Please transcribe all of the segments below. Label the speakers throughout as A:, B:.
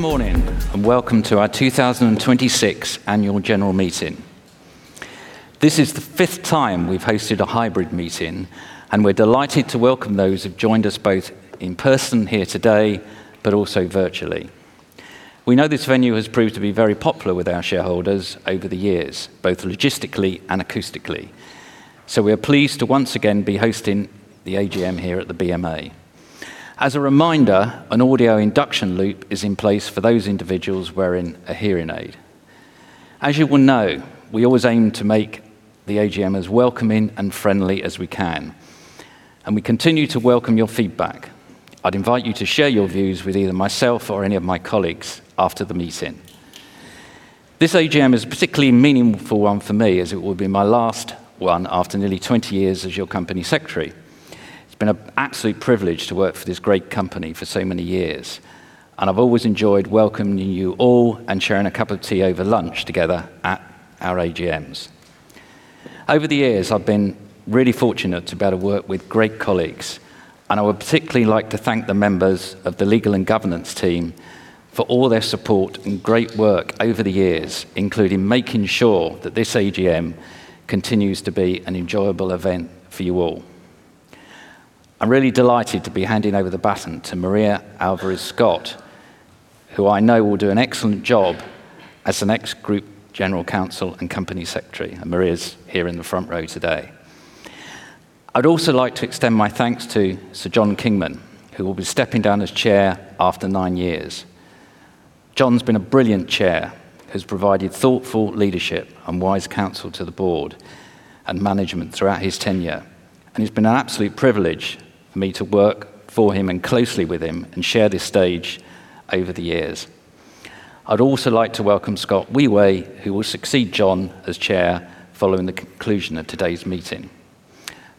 A: Good morning. Welcome to our 2026 Annual General Meeting. This is the fifth time we've hosted a hybrid meeting, and we're delighted to welcome those who've joined us both in person here today, but also virtually. We know this venue has proved to be very popular with our shareholders over the years, both logistically and acoustically. We are pleased to once again be hosting the AGM here at the BMA. As a reminder, an audio induction loop is in place for those individuals wearing a hearing aid. As you will know, we always aim to make the AGM as welcoming and friendly as we can, and we continue to welcome your feedback. I'd invite you to share your views with either myself or any of my colleagues after the meeting. This AGM is a particularly meaningful one for me, as it will be my last one after nearly 20 years as your company secretary. It's been an absolute privilege to work for this great company for so many years, and I've always enjoyed welcoming you all and sharing a cup of tea over lunch together at our AGMs. Over the years, I've been really fortunate to be able to work with great colleagues, and I would particularly like to thank the members of the legal and governance team for all their support and great work over the years, including making sure that this AGM continues to be an enjoyable event for you all. I'm really delighted to be handing over the baton to Maria Alvarez-Scott, who I know will do an excellent job as the next Group General Counsel and Company Secretary. Maria is here in the front row today. I'd also like to extend my thanks to Sir John Kingman, who will be stepping down as Chair after nine years. John's been a brilliant Chair. He's provided thoughtful leadership and wise counsel to the board and management throughout his tenure, and it's been an absolute privilege for me to work for him and closely with him and share this stage over the years. I'd also like to welcome Scott Wheway, who will succeed John as Chair following the conclusion of today's meeting.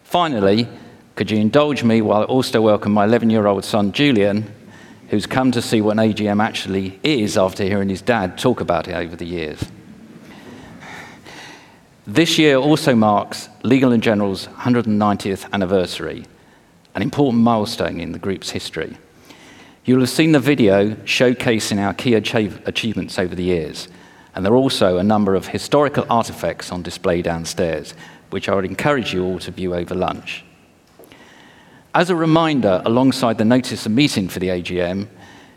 A: Finally, could you indulge me while I also welcome my 11-year-old son, Julian, who's come to see what an AGM actually is after hearing his dad talk about it over the years. This year also marks Legal & General's 190th anniversary, an important milestone in the group's history. You'll have seen the video showcasing our key achievements over the years, and there are also a number of historical artifacts on display downstairs, which I would encourage you all to view over lunch. As a reminder, alongside the notice of meeting for the AGM,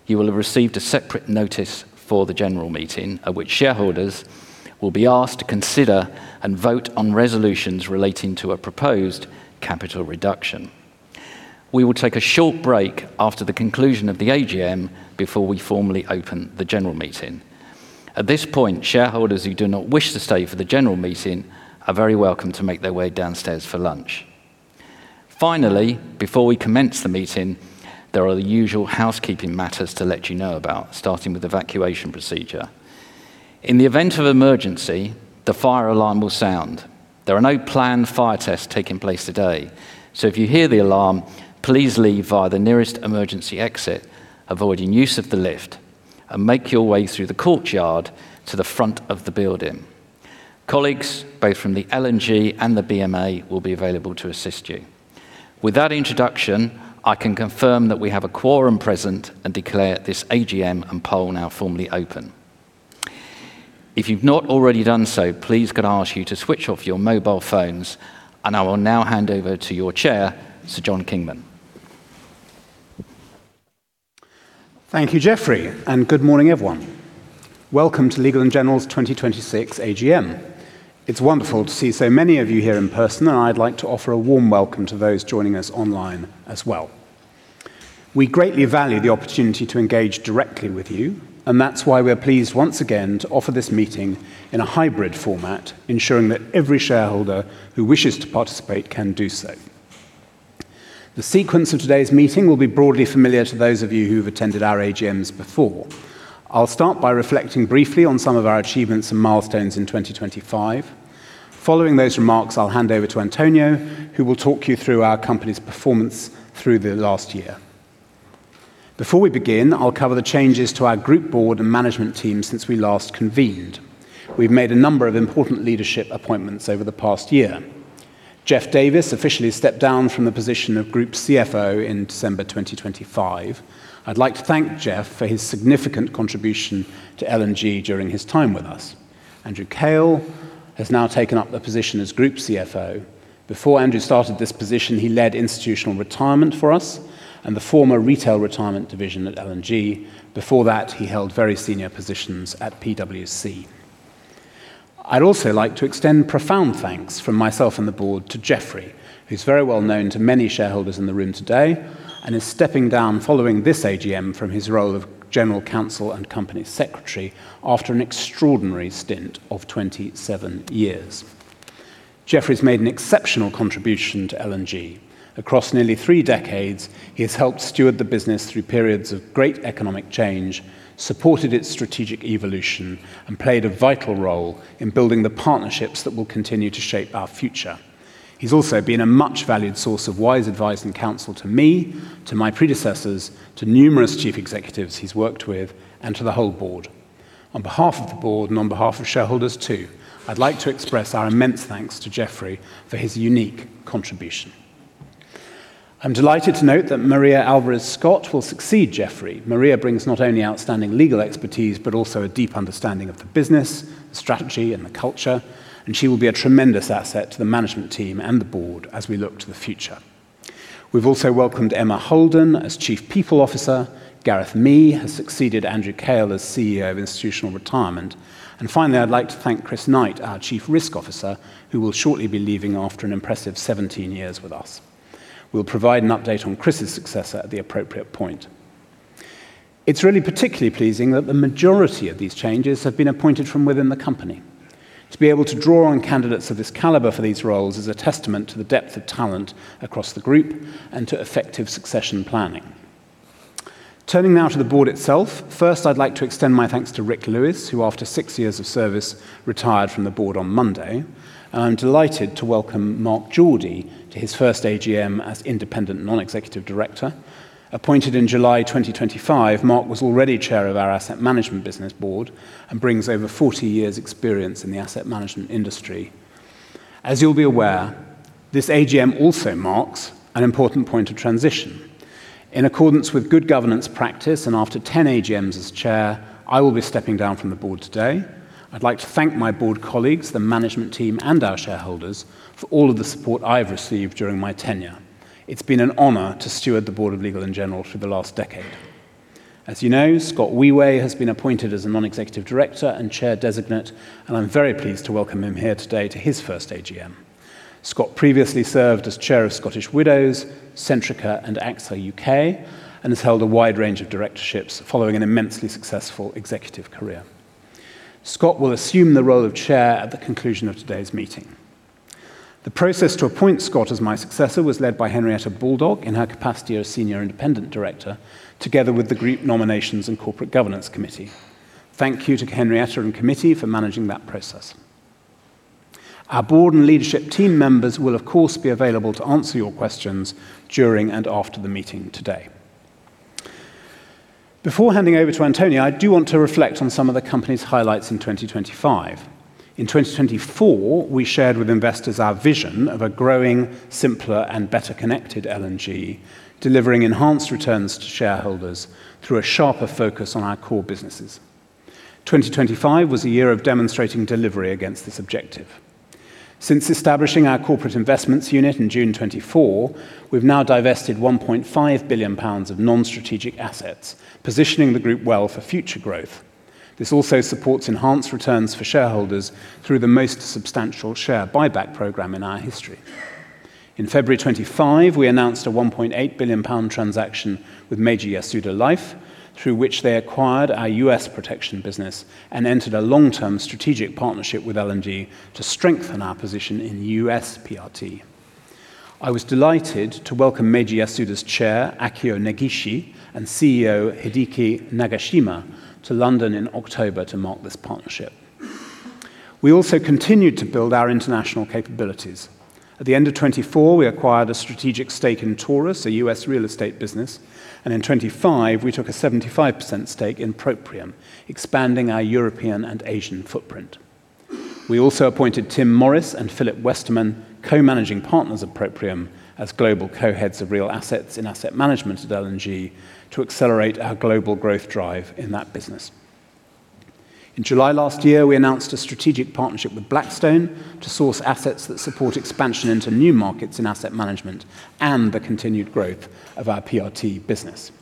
A: you will have received a separate notice for the general meeting at which shareholders will be asked to consider and vote on resolutions relating to a proposed capital reduction. We will take a short break after the conclusion of the AGM before we formally open the general meeting. At this point, shareholders who do not wish to stay for the general meeting are very welcome to make their way downstairs for lunch. Before we commence the meeting, there are the usual housekeeping matters to let you know about, starting with evacuation procedure. In the event of emergency, the fire alarm will sound. There are no planned fire tests taking place today. If you hear the alarm, please leave via the nearest emergency exit, avoiding use of the lift, and make your way through the courtyard to the front of the building. Colleagues, both from the L&G and the BMA will be available to assist you. With that introduction, I can confirm that we have a quorum present and declare this AGM and poll now formally open. If you've not already done so, please can I ask you to switch off your mobile phones. I will now hand over to your chair, Sir John Kingman.
B: Thank you, Geoffrey, and good morning, everyone. Welcome to Legal & General's 2026 AGM. It's wonderful to see so many of you here in person, and I'd like to offer a warm welcome to those joining us online as well. We greatly value the opportunity to engage directly with you, and that's why we're pleased once again to offer this meeting in a hybrid format, ensuring that every shareholder who wishes to participate can do so. The sequence of today's meeting will be broadly familiar to those of you who've attended our AGMs before. I'll start by reflecting briefly on some of our achievements and milestones in 2025. Following those remarks, I'll hand over to António, who will talk you through our company's performance through the last year. Before we begin, I'll cover the changes to our group board and management team since we last convened. We've made a number of important leadership appointments over the past year. Jeff Davies officially stepped down from the position of Group Chief Financial Officer in December 2025. I'd like to thank Jeff for his significant contribution to L&G during his time with us. Andrew Kail has now taken up the position as Group Chief Financial Officer. Before Andrew started this position, he led Institutional Retirement for us and the former Retail Retirement division at L&G. Before that, he held very senior positions at PwC. I'd also like to extend profound thanks from myself and the board to Geoffrey, who's very well known to many shareholders in the room today and is stepping down following this AGM from his role of Group General Counsel and Company Secretary after an extraordinary stint of 27 years. Geoffrey's made an exceptional contribution to L&G. Across nearly three decades, he has helped steward the business through periods of great economic change, supported its strategic evolution, and played a vital role in building the partnerships that will continue to shape our future. He's also been a much valued source of wise advice and counsel to me, to my predecessors, to numerous chief executives he's worked with, and to the whole board. On behalf of the board and on behalf of shareholders too, I'd like to express our immense thanks to Geoffrey for his unique contribution. I'm delighted to note that Maria Alvarez-Scott will succeed Geoffrey. Maria brings not only outstanding legal expertise, but also a deep understanding of the business, strategy, and the culture, and she will be a tremendous asset to the management team and the board as we look to the future. We've also welcomed Emma Holden as Chief People Officer. Gareth Mee has succeeded Andrew Kail as CEO of Institutional Retirement. Finally, I'd like to thank Chris Knight, our Chief Risk Officer, who will shortly be leaving after an impressive 17 years with us. We'll provide an update on Chris' successor at the appropriate point. It's really particularly pleasing that the majority of these changes have been appointed from within the company. To be able to draw on candidates of this caliber for these roles is a testament to the depth of talent across the group and to effective succession planning. Turning now to the board itself. First, I'd like to extend my thanks to Ric Lewis, who after six years of service, retired from the board on Monday. I'm delighted to welcome Mark Jordy to his first AGM as Independent Non-Executive Director. Appointed in July 2025, Mark Jordy was already Chair of our Asset Management business board and brings over 40 years' experience in the asset management industry. As you'll be aware, this AGM also marks an important point of transition. In accordance with good governance practice and after 10 AGMs as chair, I will be stepping down from the board today. I'd like to thank my board colleagues, the management team, and our shareholders for all of the support I've received during my tenure. It's been an honor to steward the board of Legal & General through the last decade. As you know, Scott Wheway has been appointed as a Non-Executive Director and Chair designate, and I'm very pleased to welcome him here today to his first AGM. Scott previously served as chair of Scottish Widows, Centrica, and AXA UK and has held a wide range of directorships following an immensely successful executive career. Scott will assume the role of chair at the conclusion of today's meeting. The process to appoint Scott as my successor was led by Henrietta Baldock in her capacity as Senior Independent Director, together with the Group Nominations and Corporate Governance Committee. Thank you to Henrietta and Committee for managing that process. Our board and leadership team members will, of course, be available to answer your questions during and after the meeting today. Before handing over to António, I do want to reflect on some of the company's highlights in 2025. In 2024, we shared with investors our vision of a growing, simpler, and better-connected L&G, delivering enhanced returns to shareholders through a sharper focus on our core businesses. 2025 was a year of demonstrating delivery against this objective. Since establishing our Corporate Investments Unit in June 2024, we've now divested 1.5 billion pounds of non-strategic assets, positioning the group well for future growth. This also supports enhanced returns for shareholders through the most substantial share buyback program in our history. In February 2025, we announced a 1.8 billion pound transaction with Meiji Yasuda Life, through which they acquired our U.S. protection business and entered a long-term strategic partnership with L&G to strengthen our position in U.S. PRT. I was delighted to welcome Meiji Yasuda's Chair, Akio Negishi, and CEO Hideki Nagashima, to London in October to mark this partnership. We also continued to build our international capabilities. At the end of 2024, we acquired a strategic stake in Taurus, a U.S. real estate business, and in 2025, we took a 75% stake in Proprium, expanding our European and Asian footprint. We also appointed Tim Morris and Philipp Westermann, co-managing partners of Proprium, as Global Co-Heads of Real Assets in Asset Management at L&G to accelerate our global growth drive in that business. In July last year, we announced a strategic partnership with Blackstone to source assets that support expansion into new markets in asset management and the continued growth of our PRT business.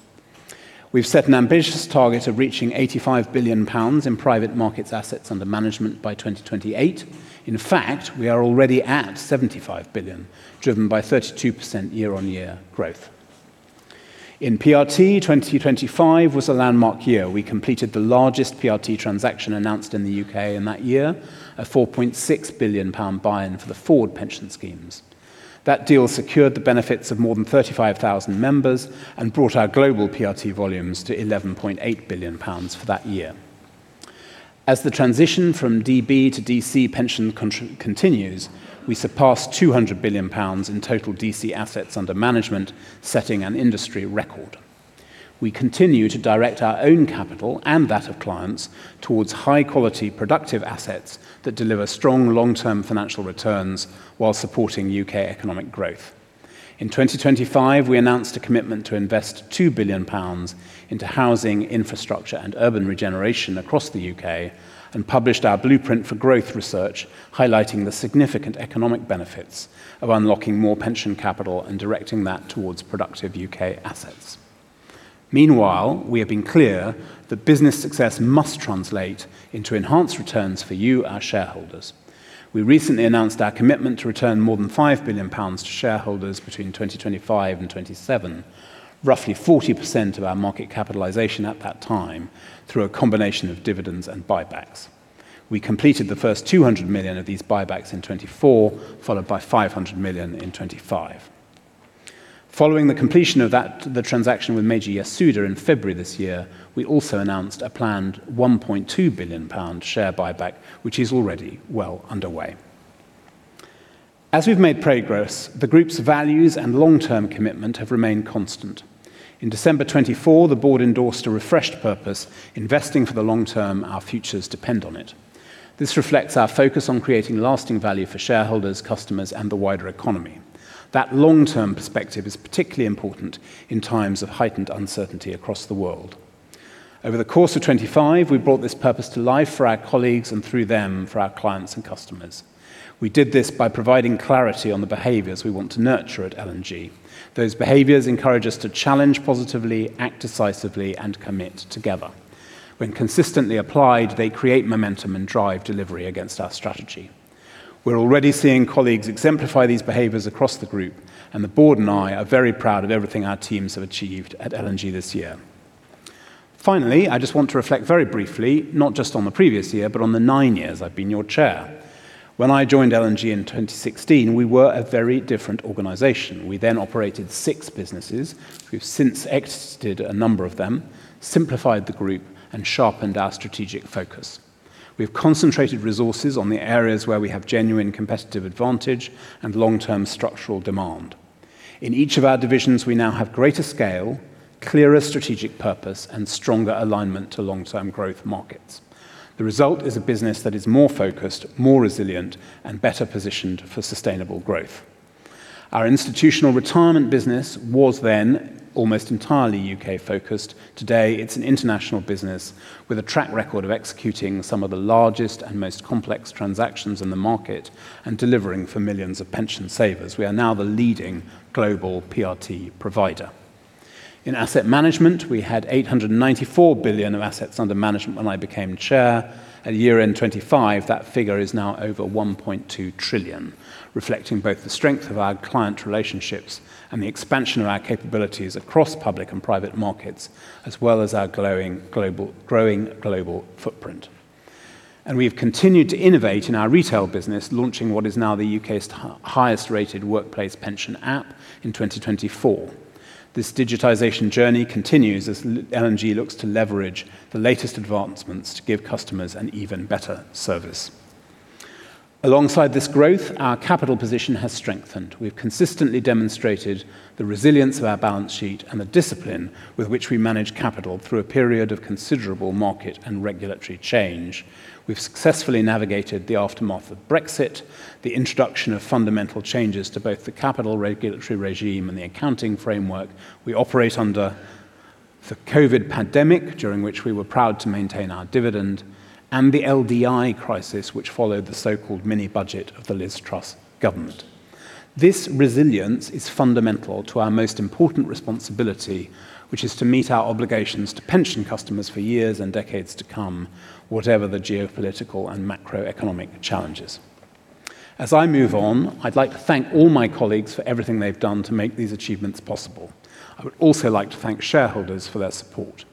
B: We've set an ambitious target of reaching 85 billion pounds in private markets assets under management by 2028. In fact, we are already at 75 billion, driven by 32% year-on-year growth. In PRT, 2025 was a landmark year. We completed the largest PRT transaction announced in the U.K. in that year, a 4.6 billion pound buy-in for the Ford Pension Schemes. That deal secured the benefits of more than 35,000 members and brought our global PRT volumes to 11.8 billion pounds for that year. As the transition from DB to DC pension continues, we surpassed 200 billion pounds in total DC assets under management, setting an industry record. We continue to direct our own capital and that of clients towards high-quality, productive assets that deliver strong long-term financial returns while supporting U.K. economic growth. In 2025, we announced a commitment to invest 2 billion pounds into housing, infrastructure, and urban regeneration across the U.K. and published our Blueprint for Growth research highlighting the significant economic benefits of unlocking more pension capital and directing that towards productive U.K. assets. Meanwhile, we have been clear that business success must translate into enhanced returns for you, our shareholders. We recently announced our commitment to return more than 5 billion pounds to shareholders between 2025 and 2027, roughly 40% of our market capitalization at that time, through a combination of dividends and buybacks. We completed the first 200 million of these buybacks in 2024, followed by 500 million in 2025. Following the completion of the transaction with Meiji Yasuda in February this year, we also announced a planned 1.2 billion pound share buyback, which is already well underway. As we've made progress, the group's values and long-term commitment have remained constant. In December 2024, the board endorsed a refreshed purpose, investing for the long term, our futures depend on it. This reflects our focus on creating lasting value for shareholders, customers, and the wider economy. That long-term perspective is particularly important in times of heightened uncertainty across the world. Over the course of 2025, we brought this purpose to life for our colleagues, and through them, for our clients and customers. We did this by providing clarity on the behaviors we want to nurture at L&G. Those behaviors encourage us to challenge positively, act decisively, and commit together. When consistently applied, they create momentum and drive delivery against our strategy. We're already seeing colleagues exemplify these behaviors across the group, and the board and I are very proud of everything our teams have achieved at L&G this year. Finally, I just want to reflect very briefly, not just on the previous year, but on the nine years I've been your chair. When I joined L&G in 2016, we were a very different organization. We operated six businesses. We've since exited a number of them, simplified the group, and sharpened our strategic focus. We've concentrated resources on the areas where we have genuine competitive advantage and long-term structural demand. In each of our divisions, we now have greater scale, clearer strategic purpose, and stronger alignment to long-term growth markets. The result is a business that is more focused, more resilient, and better positioned for sustainable growth. Our Institutional Retirement business was then almost entirely U.K.-focused. Today, it's an international business with a track record of executing some of the largest and most complex transactions in the market and delivering for millions of pension savers. We are now the leading global PRT provider. In asset management, we had 894 billion of assets under management when I became chair. At year-end 2025, that figure is now over 1.2 trillion, reflecting both the strength of our client relationships and the expansion of our capabilities across public and private markets, as well as our growing global footprint. We've continued to innovate in our retail business, launching what is now the U.K.'s highest-rated workplace pension app in 2024. This digitization journey continues as L&G looks to leverage the latest advancements to give customers an even better service. Alongside this growth, our capital position has strengthened. We've consistently demonstrated the resilience of our balance sheet and the discipline with which we manage capital through a period of considerable market and regulatory change. We've successfully navigated the aftermath of Brexit, the introduction of fundamental changes to both the capital regulatory regime and the accounting framework we operate under, the COVID pandemic, during which we were proud to maintain our dividend, and the LDI crisis, which followed the so-called mini budget of the Liz Truss government. This resilience is fundamental to our most important responsibility, which is to meet our obligations to pension customers for years and decades to come, whatever the geopolitical and macroeconomic challenges. As I move on, I'd like to thank all my colleagues for everything they've done to make these achievements possible. I would also like to thank shareholders for their support.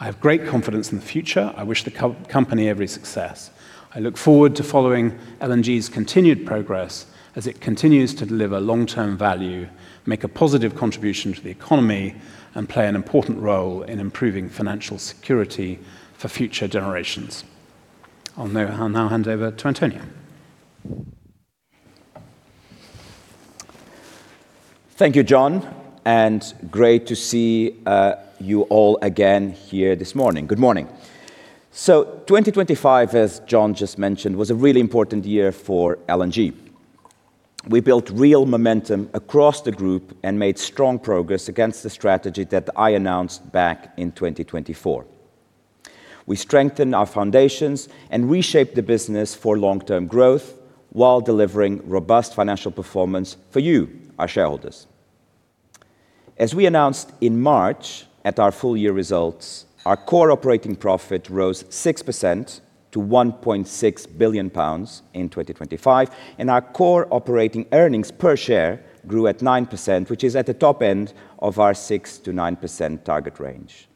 B: I have great confidence in the future. I wish the company every success. I look forward to following L&G's continued progress as it continues to deliver long-term value, make a positive contribution to the economy, and play an important role in improving financial security for future generations. I'll now hand over to António.
C: Thank you, John. Great to see you all again here this morning. Good morning. 2025, as John just mentioned, was a really important year for L&G. We built real momentum across the Group and made strong progress against the strategy that I announced back in 2024. We strengthened our foundations and reshaped the business for long-term growth while delivering robust financial performance for you, our shareholders. As we announced in March at our full-year results, our core operating profit rose 6% to 1.6 billion pounds in 2025, and our core operating earnings per share grew at 9%, which is at the top end of our 6%-9% target range.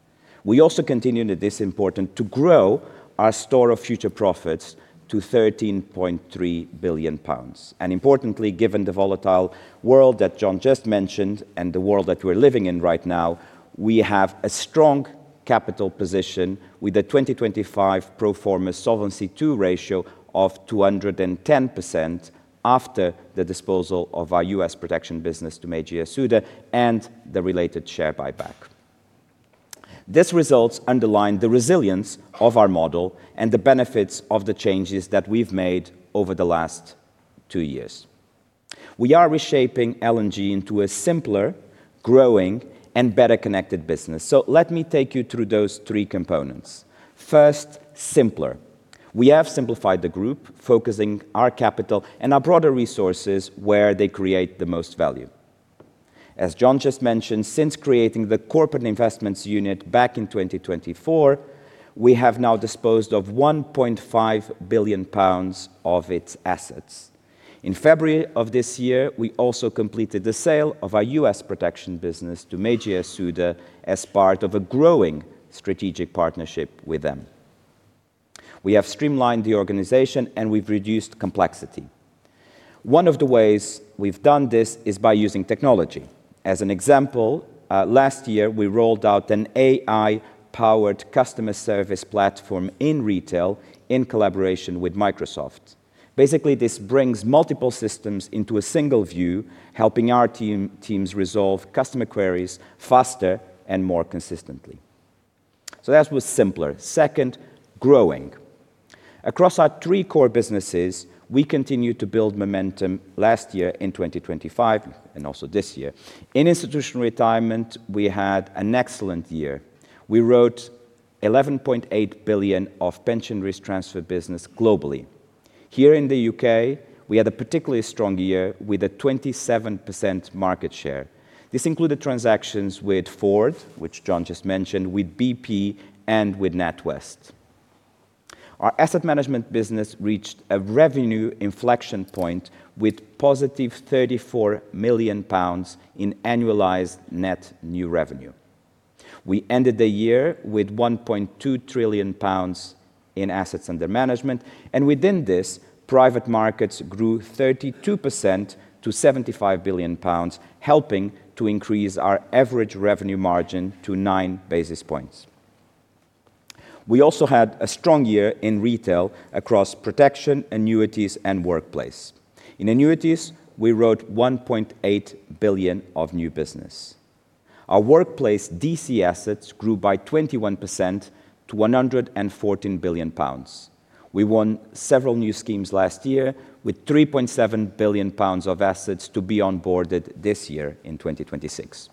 C: We also continued at this important to grow our store of future profits to 13.3 billion pounds. Importantly, given the volatile world that John just mentioned and the world that we're living in right now, we have a strong capital position with a 2025 pro forma Solvency II ratio of 210% after the disposal of our U.S. protection business to Meiji Yasuda and the related share buyback. These results underline the resilience of our model and the benefits of the changes that we've made over the last two years. We are reshaping L&G into a simpler, growing, and better-connected business. Let me take you through those three components. First, simpler. We have simplified the group, focusing our capital and our broader resources where they create the most value. As John just mentioned, since creating the Corporate Investments Unit back in 2024, we have now disposed of 1.5 billion pounds of its assets. In February of this year, we also completed the sale of our U.S. protection business to Meiji Yasuda as part of a growing strategic partnership with them. We have streamlined the organization, and we've reduced complexity. One of the ways we've done this is by using technology. As an example, last year, we rolled out an AI-powered customer service platform in Retail in collaboration with Microsoft. Basically, this brings multiple systems into a single view, helping our teams resolve customer queries faster and more consistently. That was simpler. Second, growing. Across our three core businesses, we continued to build momentum last year in 2025, and also this year. In Institutional Retirement, we had an excellent year. We wrote 11.8 billion of pension risk transfer business globally. Here in the U.K., we had a particularly strong year with a 27% market share. This included transactions with Ford, which John just mentioned, with BP, and with NatWest. Our asset management business reached a revenue inflection point with positive 34 million pounds in annualized net new revenue. We ended the year with 1.2 trillion pounds in assets under management. Within this, private markets grew 32% to 75 billion pounds, helping to increase our average revenue margin to 9 basis points. We also had a strong year in retail across protection, annuities, and workplace. In annuities, we wrote 1.8 billion of new business. Our workplace DC assets grew by 21% to 114 billion pounds. We won several new schemes last year with 3.7 billion pounds of assets to be onboarded this year in 2026.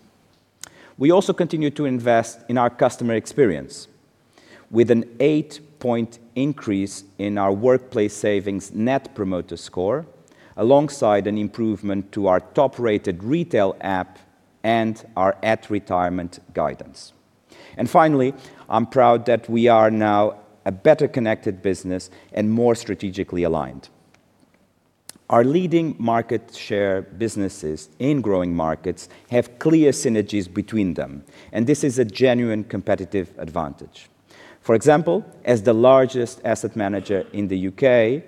C: We also continue to invest in our customer experience with an eight-point increase in our workplace savings net promoter score, alongside an improvement to our top-rated retail app and our at-retirement guidance. Finally, I'm proud that we are now a better-connected business and more strategically aligned. Our leading market share businesses in growing markets have clear synergies between them, and this is a genuine competitive advantage. For example, as the largest asset manager in the U.K.,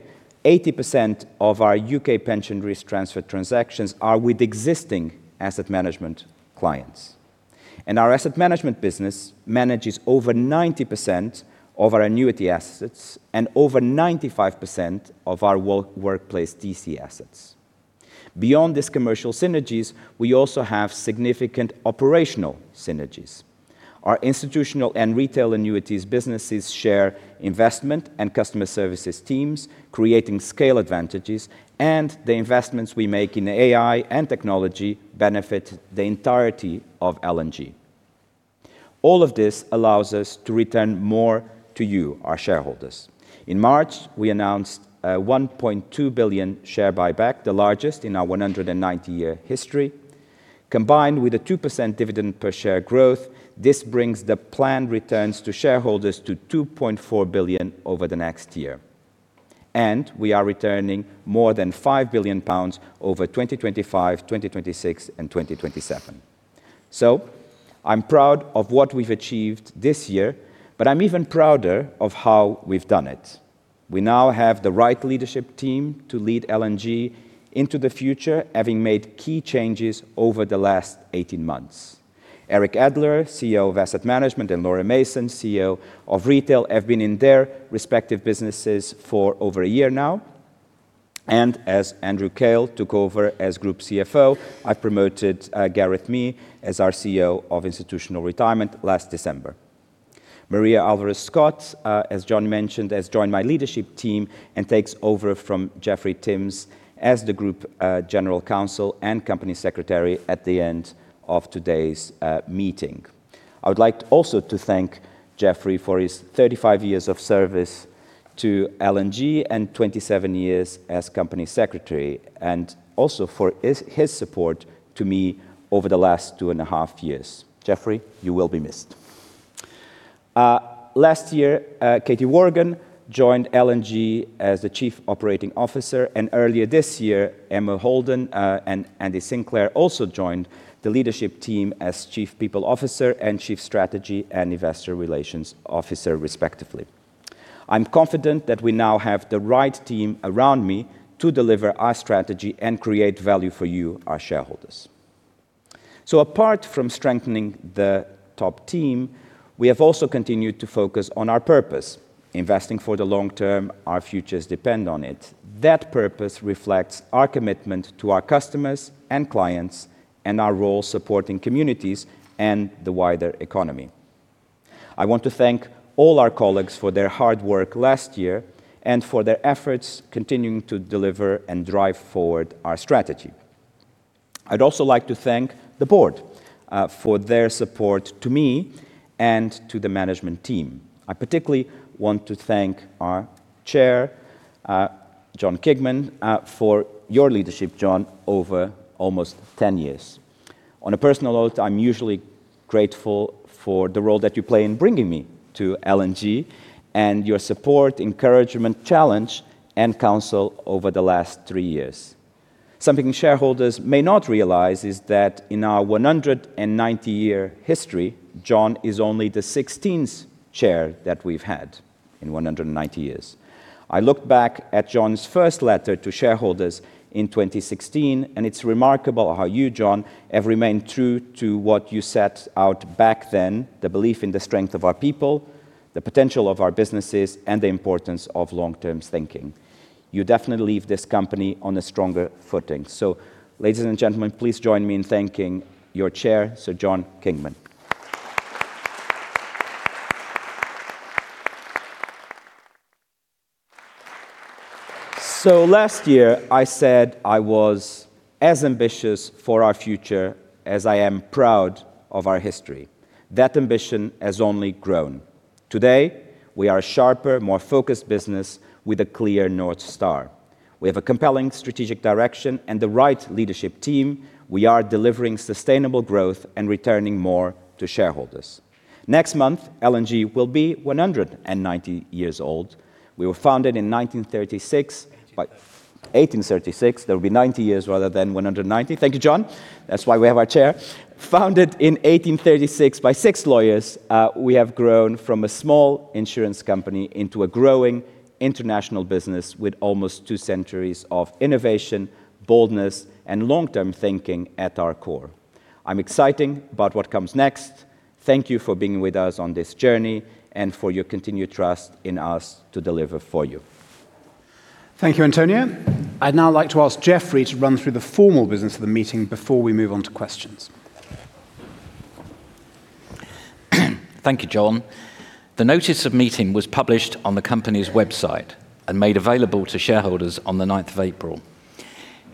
C: 80% of our U.K. pension risk transfer transactions are with existing asset management clients. Our Asset Management business manages over 90% of our annuity assets and over 95% of our workplace DC assets. Beyond these commercial synergies, we also have significant operational synergies. Our institutional and retail annuities businesses share investment and customer services teams, creating scale advantages, and the investments we make in AI and technology benefit the entirety of L&G. All of this allows us to return more to you, our shareholders. In March, we announced a 1.2 billion share buyback, the largest in our 190-year history. Combined with a 2% dividend per share growth, this brings the planned returns to shareholders to 2.4 billion over the next year. We are returning more than 5 billion pounds over 2025, 2026, and 2027. I'm proud of what we've achieved this year, but I'm even prouder of how we've done it. We now have the right leadership team to lead L&G into the future, having made key changes over the last 18 months. Eric Adler, CEO of Asset Management, and Laura Mason, CEO of Retail, have been in their respective businesses for over a year now. As Andrew Kail took over as Group CFO, I promoted Gareth Mee as our CEO of Institutional Retirement last December. Maria Alvarez-Scott, as John mentioned, has joined my leadership team and takes over from Geoffrey Timms as the Group General Counsel and Company Secretary at the end of today's meeting. I would like also to thank Geoffrey for his 35 years of service to L&G and 27 years as Company Secretary, and also for his support to me over the last two and a half years. Geoffrey, you will be missed. Last year, Katie Worgan joined L&G as the Chief Operating Officer, and earlier this year, Emma Holden, and Andy Sinclair also joined the leadership team as Chief People Officer and Chief Strategy and Investor Relations Officer, respectively. I'm confident that we now have the right team around me to deliver our strategy and create value for you, our shareholders. Apart from strengthening the top team, we have also continued to focus on our purpose, investing for the long term, our futures depend on it. That purpose reflects our commitment to our customers and clients, and our role supporting communities and the wider economy. I want to thank all our colleagues for their hard work last year and for their efforts continuing to deliver and drive forward our strategy. I'd also like to thank the board for their support to me and to the management team. I particularly want to thank our Chair, John Kingman, for your leadership, John, over almost 10 years. On a personal note, I'm usually grateful for the role that you play in bringing me to L&G and your support, encouragement, challenge, and counsel over the last three years. Something shareholders may not realize is that in our 190-year history, John is only the 16th chair that we've had in 190 years. I look back at John's first letter to shareholders in 2016. It's remarkable how you, John, have remained true to what you set out back then, the belief in the strength of our people, the potential of our businesses, and the importance of long-term thinking. You definitely leave this company on a stronger footing. Ladies and gentlemen, please join me in thanking your Chair, Sir John Kingman. Last year, I said I was as ambitious for our future as I am proud of our history. That ambition has only grown. Today, we are a sharper, more focused business with a clear North Star. We have a compelling strategic direction and the right leadership team. We are delivering sustainable growth and returning more to shareholders. Next month, L&G will be 190 years old. We were founded in 1936.
B: 1836. 1836. There will be 90 years rather than 190. Thank you, John Kingman. That's why we have our Chair. Founded in 1836 by six lawyers, we have grown from a small insurance company into a growing international business with almost two centuries of innovation, boldness, and long-term thinking at our core. I'm excited about what comes next. Thank you for being with us on this journey and for your continued trust in us to deliver for you. Thank you, António. I'd now like to ask Geoffrey to run through the formal business of the meeting before we move on to questions.
A: Thank you, John. The notice of meeting was published on the company's website and made available to shareholders on the April 9th.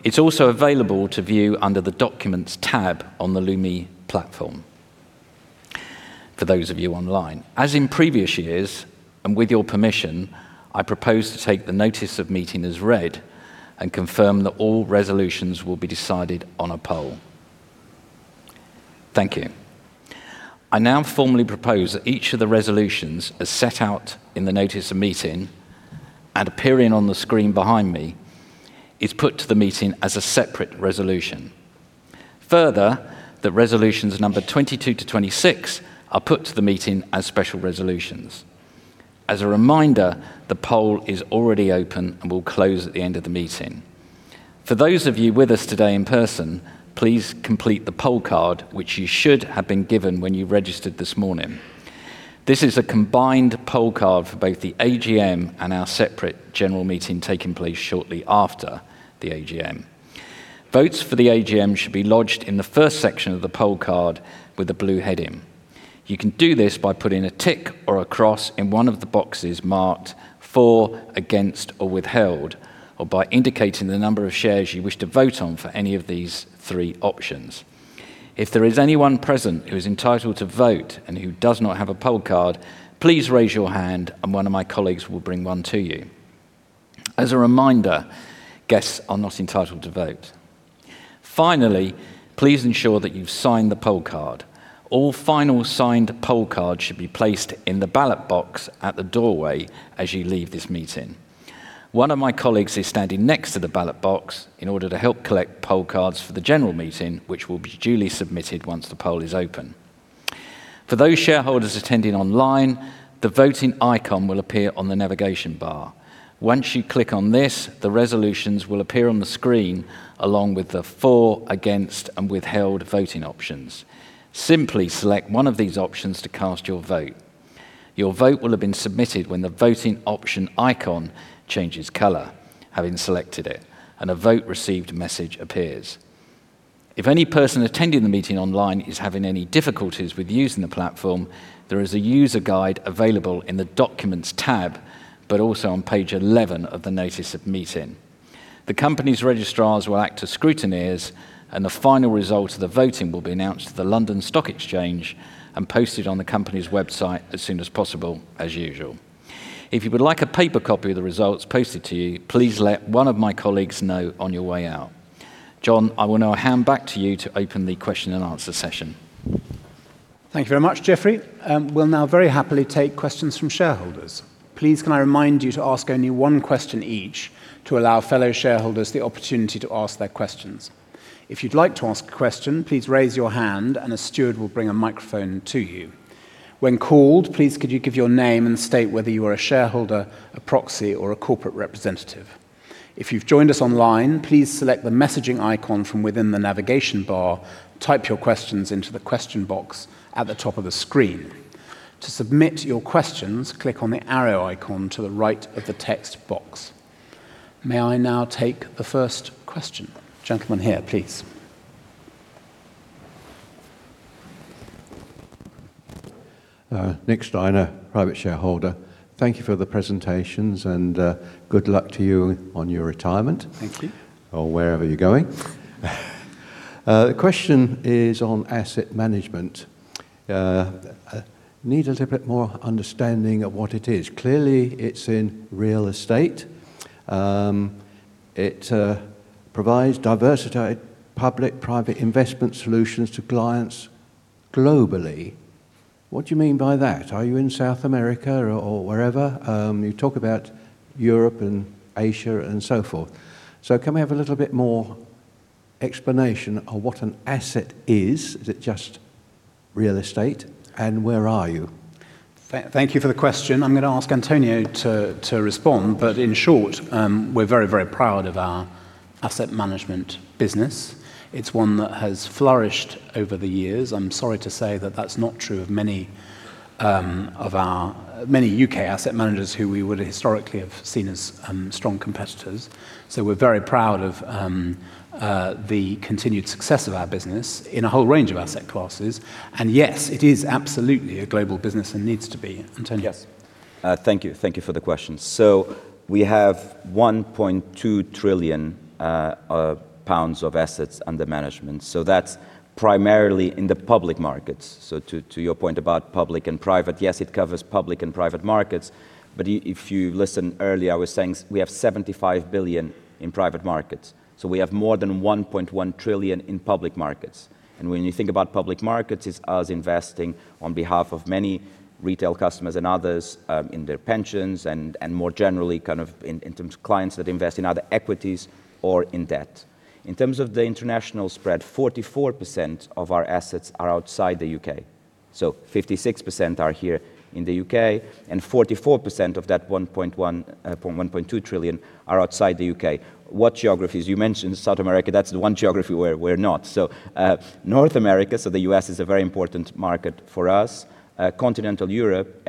A: It is also available to view under the Documents tab on the Lumi platform for those of you online. As in previous years, and with your permission, I propose to take the notice of meeting as read and confirm that all resolutions will be decided on a poll. Thank you. I now formally propose that each of the resolutions, as set out in the notice of meeting and appearing on the screen behind me, is put to the meeting as a separate resolution. Further, that resolutions number 22-26 are put to the meeting as special resolutions. As a reminder, the poll is already open and will close at the end of the meeting. For those of you with us today in person, please complete the poll card, which you should have been given when you registered this morning. This is a combined poll card for both the AGM and our separate general meeting taking place shortly after the AGM. Votes for the AGM should be lodged in the first section of the poll card with the blue heading. You can do this by putting a tick or a cross in one of the boxes marked For, Against, or Withheld, or by indicating the number of shares you wish to vote on for any of these three options. If there is anyone present who is entitled to vote and who does not have a poll card, please raise your hand and one of my colleagues will bring one to you. As a reminder, guests are not entitled to vote. Finally, please ensure that you've signed the poll card. All final signed poll cards should be placed in the ballot box at the doorway as you leave this meeting. One of my colleagues is standing next to the ballot box in order to help collect poll cards for the general meeting, which will be duly submitted once the poll is open. For those shareholders attending online, the Voting icon will appear on the navigation bar. Once you click on this, the resolutions will appear on the screen along with the For, Against, and Withheld voting options. Simply select one of these options to cast your vote. Your vote will have been submitted when the voting option icon changes color, having selected it, and a Vote Received message appears. If any person attending the meeting online is having any difficulties with using the platform, there is a user guide available in the Documents tab, but also on page 11 of the notice of meeting. The company's registrars will act as scrutineers, and the final result of the voting will be announced to the London Stock Exchange and posted on the company's website as soon as possible as usual. If you would like a paper copy of the results posted to you, please let one of my colleagues know on your way out. John, I will now hand back to you to open the question and answer session.
B: Thank you very much, Geoffrey. We'll now very happily take questions from shareholders. Please can I remind you to ask only one question each to allow fellow shareholders the opportunity to ask their questions. If you'd like to ask a question, please raise your hand and a steward will bring a microphone to you. When called, please could you give your name and state whether you are a shareholder, a proxy, or a corporate representative. If you've joined us online, please select the messaging icon from within the navigation bar, type your questions into the question box at the top of the screen. To submit your questions, click on the arrow icon to the right of the text box. May I now take the first question? Gentleman here, please.
D: Nick Steiner, private shareholder. Thank you for the presentations and good luck to you on your retirement.
B: Thank you.
D: Wherever you're going. The question is on asset management. I need a little bit more understanding of what it is. Clearly, it's in real estate. It provides diversified public-private investment solutions to clients globally. What do you mean by that? Are you in South America or wherever? You talk about Europe and Asia and so forth. Can we have a little bit more explanation of what an asset is? Is it just real estate? Where are you?
B: Thank you for the question. I'm going to ask António to respond. In short, we're very, very proud of our asset management business. It's one that has flourished over the years. I'm sorry to say that that's not true of many U.K. asset managers who we would historically have seen as strong competitors. We're very proud of the continued success of our business in a whole range of asset classes. Yes, it is absolutely a global business and needs to be. António.
C: Yes. Thank you. Thank you for the question. We have 1.2 trillion pounds of assets under management. That's primarily in the public markets. To your point about public and private, yes, it covers public and private markets, but if you listen earlier, I was saying we have 75 billion in private markets. We have more than 1.1 trillion in public markets. When you think about public markets, it's us investing on behalf of many retail customers and others, in their pensions and more generally in terms of clients that invest in other equities or in debt. In terms of the international spread, 44% of our assets are outside the U.K. 56% are here in the U.K., and 44% of that 1.2 trillion are outside the U.K. What geographies? You mentioned South America. That's the one geography where we're not. North America, the U.S. is a very important market for us. Continental Europe,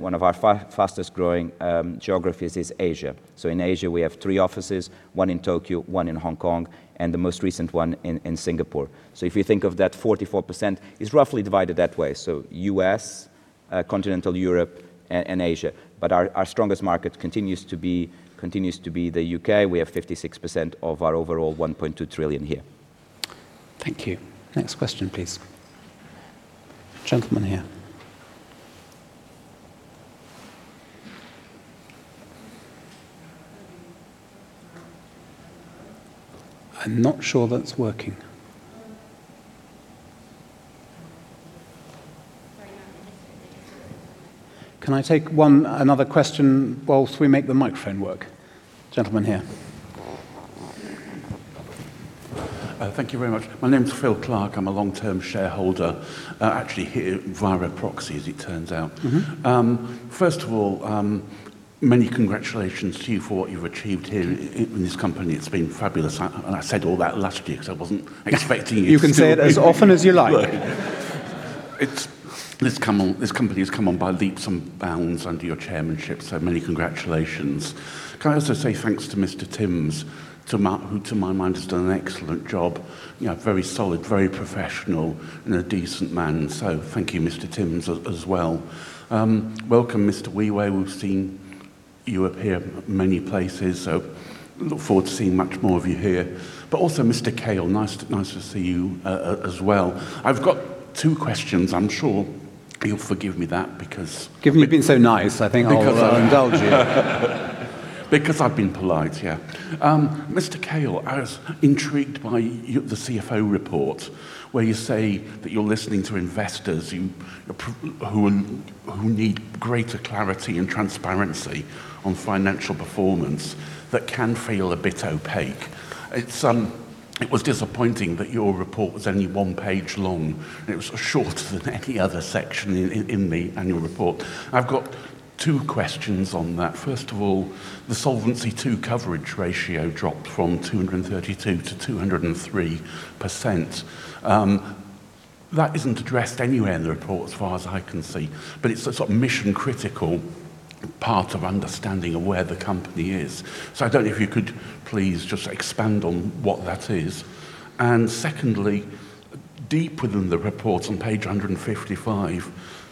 C: one of our fastest-growing geographies is Asia. In Asia, we have three offices, one in Tokyo, one in Hong Kong, and the most recent one in Singapore. If you think of that, 44%, it's roughly divided that way. U.S., continental Europe, and Asia. Our strongest market continues to be the U.K. We have 56% of our overall 1.2 trillion here.
B: Thank you. Next question, please. Gentleman here. I'm not sure that's working.
E: Sorry about that.
B: Can I take another question while we make the microphone work? Gentleman here.
F: Thank you very much. My name's Phil Clark. I'm a long-term shareholder. Actually, here via proxy, as it turns out. First of all, many congratulations to you for what you've achieved here in this company. It's been fabulous. I said all that last year, because I wasn't expecting you to still be.
B: You can say it as often as you like.
F: This company has come on by leaps and bounds under your chairmanship, many congratulations. Can I also say thanks to Mr. Timms, who to my mind has done an excellent job. Very solid, very professional, and a decent man. Thank you, Mr. Timms, as well. Welcome, Mr. Wheway. We've seen you appear many places, look forward to seeing much more of you here. Also Mr. Kail, nice to see you as well. I've got two questions. I'm sure you'll forgive me that.
B: Given you've been so nice, I think I'll indulge you.
F: Because I've been polite. Mr. Kail, I was intrigued by the CFO report, where you say that you're listening to investors who need greater clarity and transparency on financial performance that can feel a bit opaque. It was disappointing that your report was only one page long, it was shorter than any other section in the annual report. I've got two questions on that. First of all, the Solvency II coverage ratio dropped from 232%-203%. That isn't addressed anywhere in the report as far as I can see, it's a sort of mission-critical part of understanding of where the company is. I don't know if you could please just expand on what that is. Secondly, deep within the report on page 155,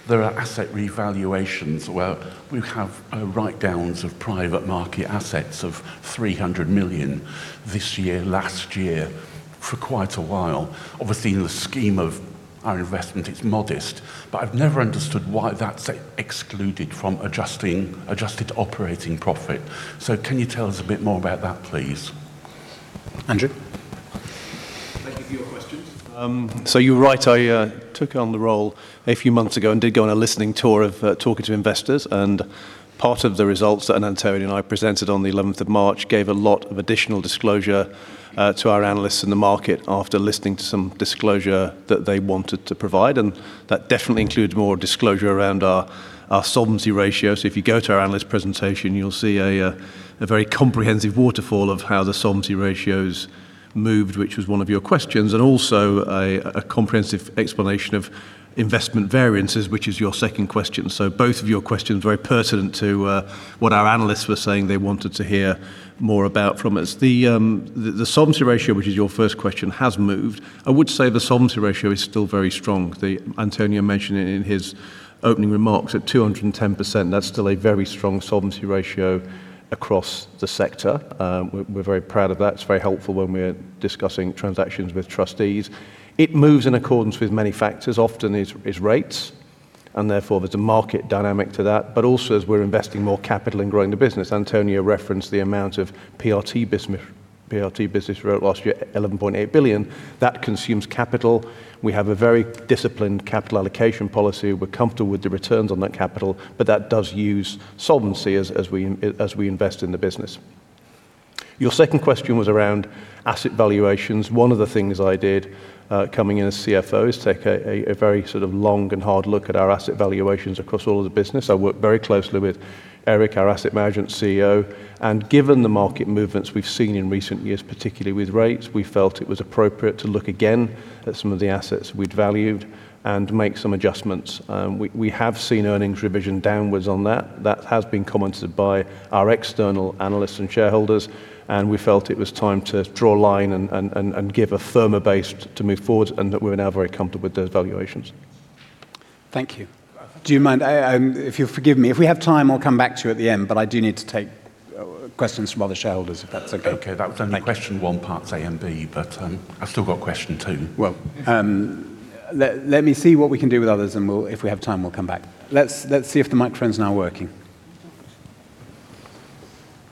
F: there are asset revaluations where we have write-downs of private market assets of 300 million this year, last year, for quite a while. Obviously, in the scheme of our investment, it's modest. I've never understood why that's excluded from adjusted operating profit. Can you tell us a bit more about that, please?
B: Andrew?
G: Thank you for your questions. You're right, I took on the role a few months ago and did go on a listening tour of talking to investors, and part of the results that António and I presented on March 11th gave a lot of additional disclosure to our analysts in the market after listening to some disclosure that they wanted to provide, and that definitely includes more disclosure around our solvency ratio. If you go to our analyst presentation, you'll see a very comprehensive waterfall of how the solvency ratio's moved, which was one of your questions. Also a comprehensive explanation of investment variances, which is your second question. Both of your questions, very pertinent to what our analysts were saying they wanted to hear more about from us. The solvency ratio, which is your first question, has moved. I would say the solvency ratio is still very strong. António mentioned it in his opening remarks at 210%. That's still a very strong solvency ratio across the sector. We're very proud of that. It's very helpful when we're discussing transactions with trustees. It moves in accordance with many factors, often is rates, and therefore there's a market dynamic to that. Also as we're investing more capital in growing the business. António referenced the amount of PRT business we wrote last year, 11.8 billion. That consumes capital. We have a very disciplined capital allocation policy. We're comfortable with the returns on that capital, but that does use solvency as we invest in the business. Your second question was around asset valuations. One of the things I did coming in as CFO is take a very sort of long and hard look at our asset valuations across all of the business. I worked very closely with Eric, our Asset Management CEO. Given the market movements we've seen in recent years, particularly with rates, we felt it was appropriate to look again at some of the assets we'd valued and make some adjustments. We have seen earnings revision downwards on that. That has been commented by our external analysts and shareholders, and we felt it was time to draw a line and give a firmer base to move forward, and that we're now very comfortable with those valuations.
B: Thank you. Do you mind, if you will forgive me, if we have time, I will come back to you at the end, but I do need to take questions from other shareholders, if that is okay.
F: Okay. That was only question one, parts A and B, but I've still got question two.
B: Well, let me see what we can do with others, and if we have time, we'll come back. Let's see if the microphone's now working.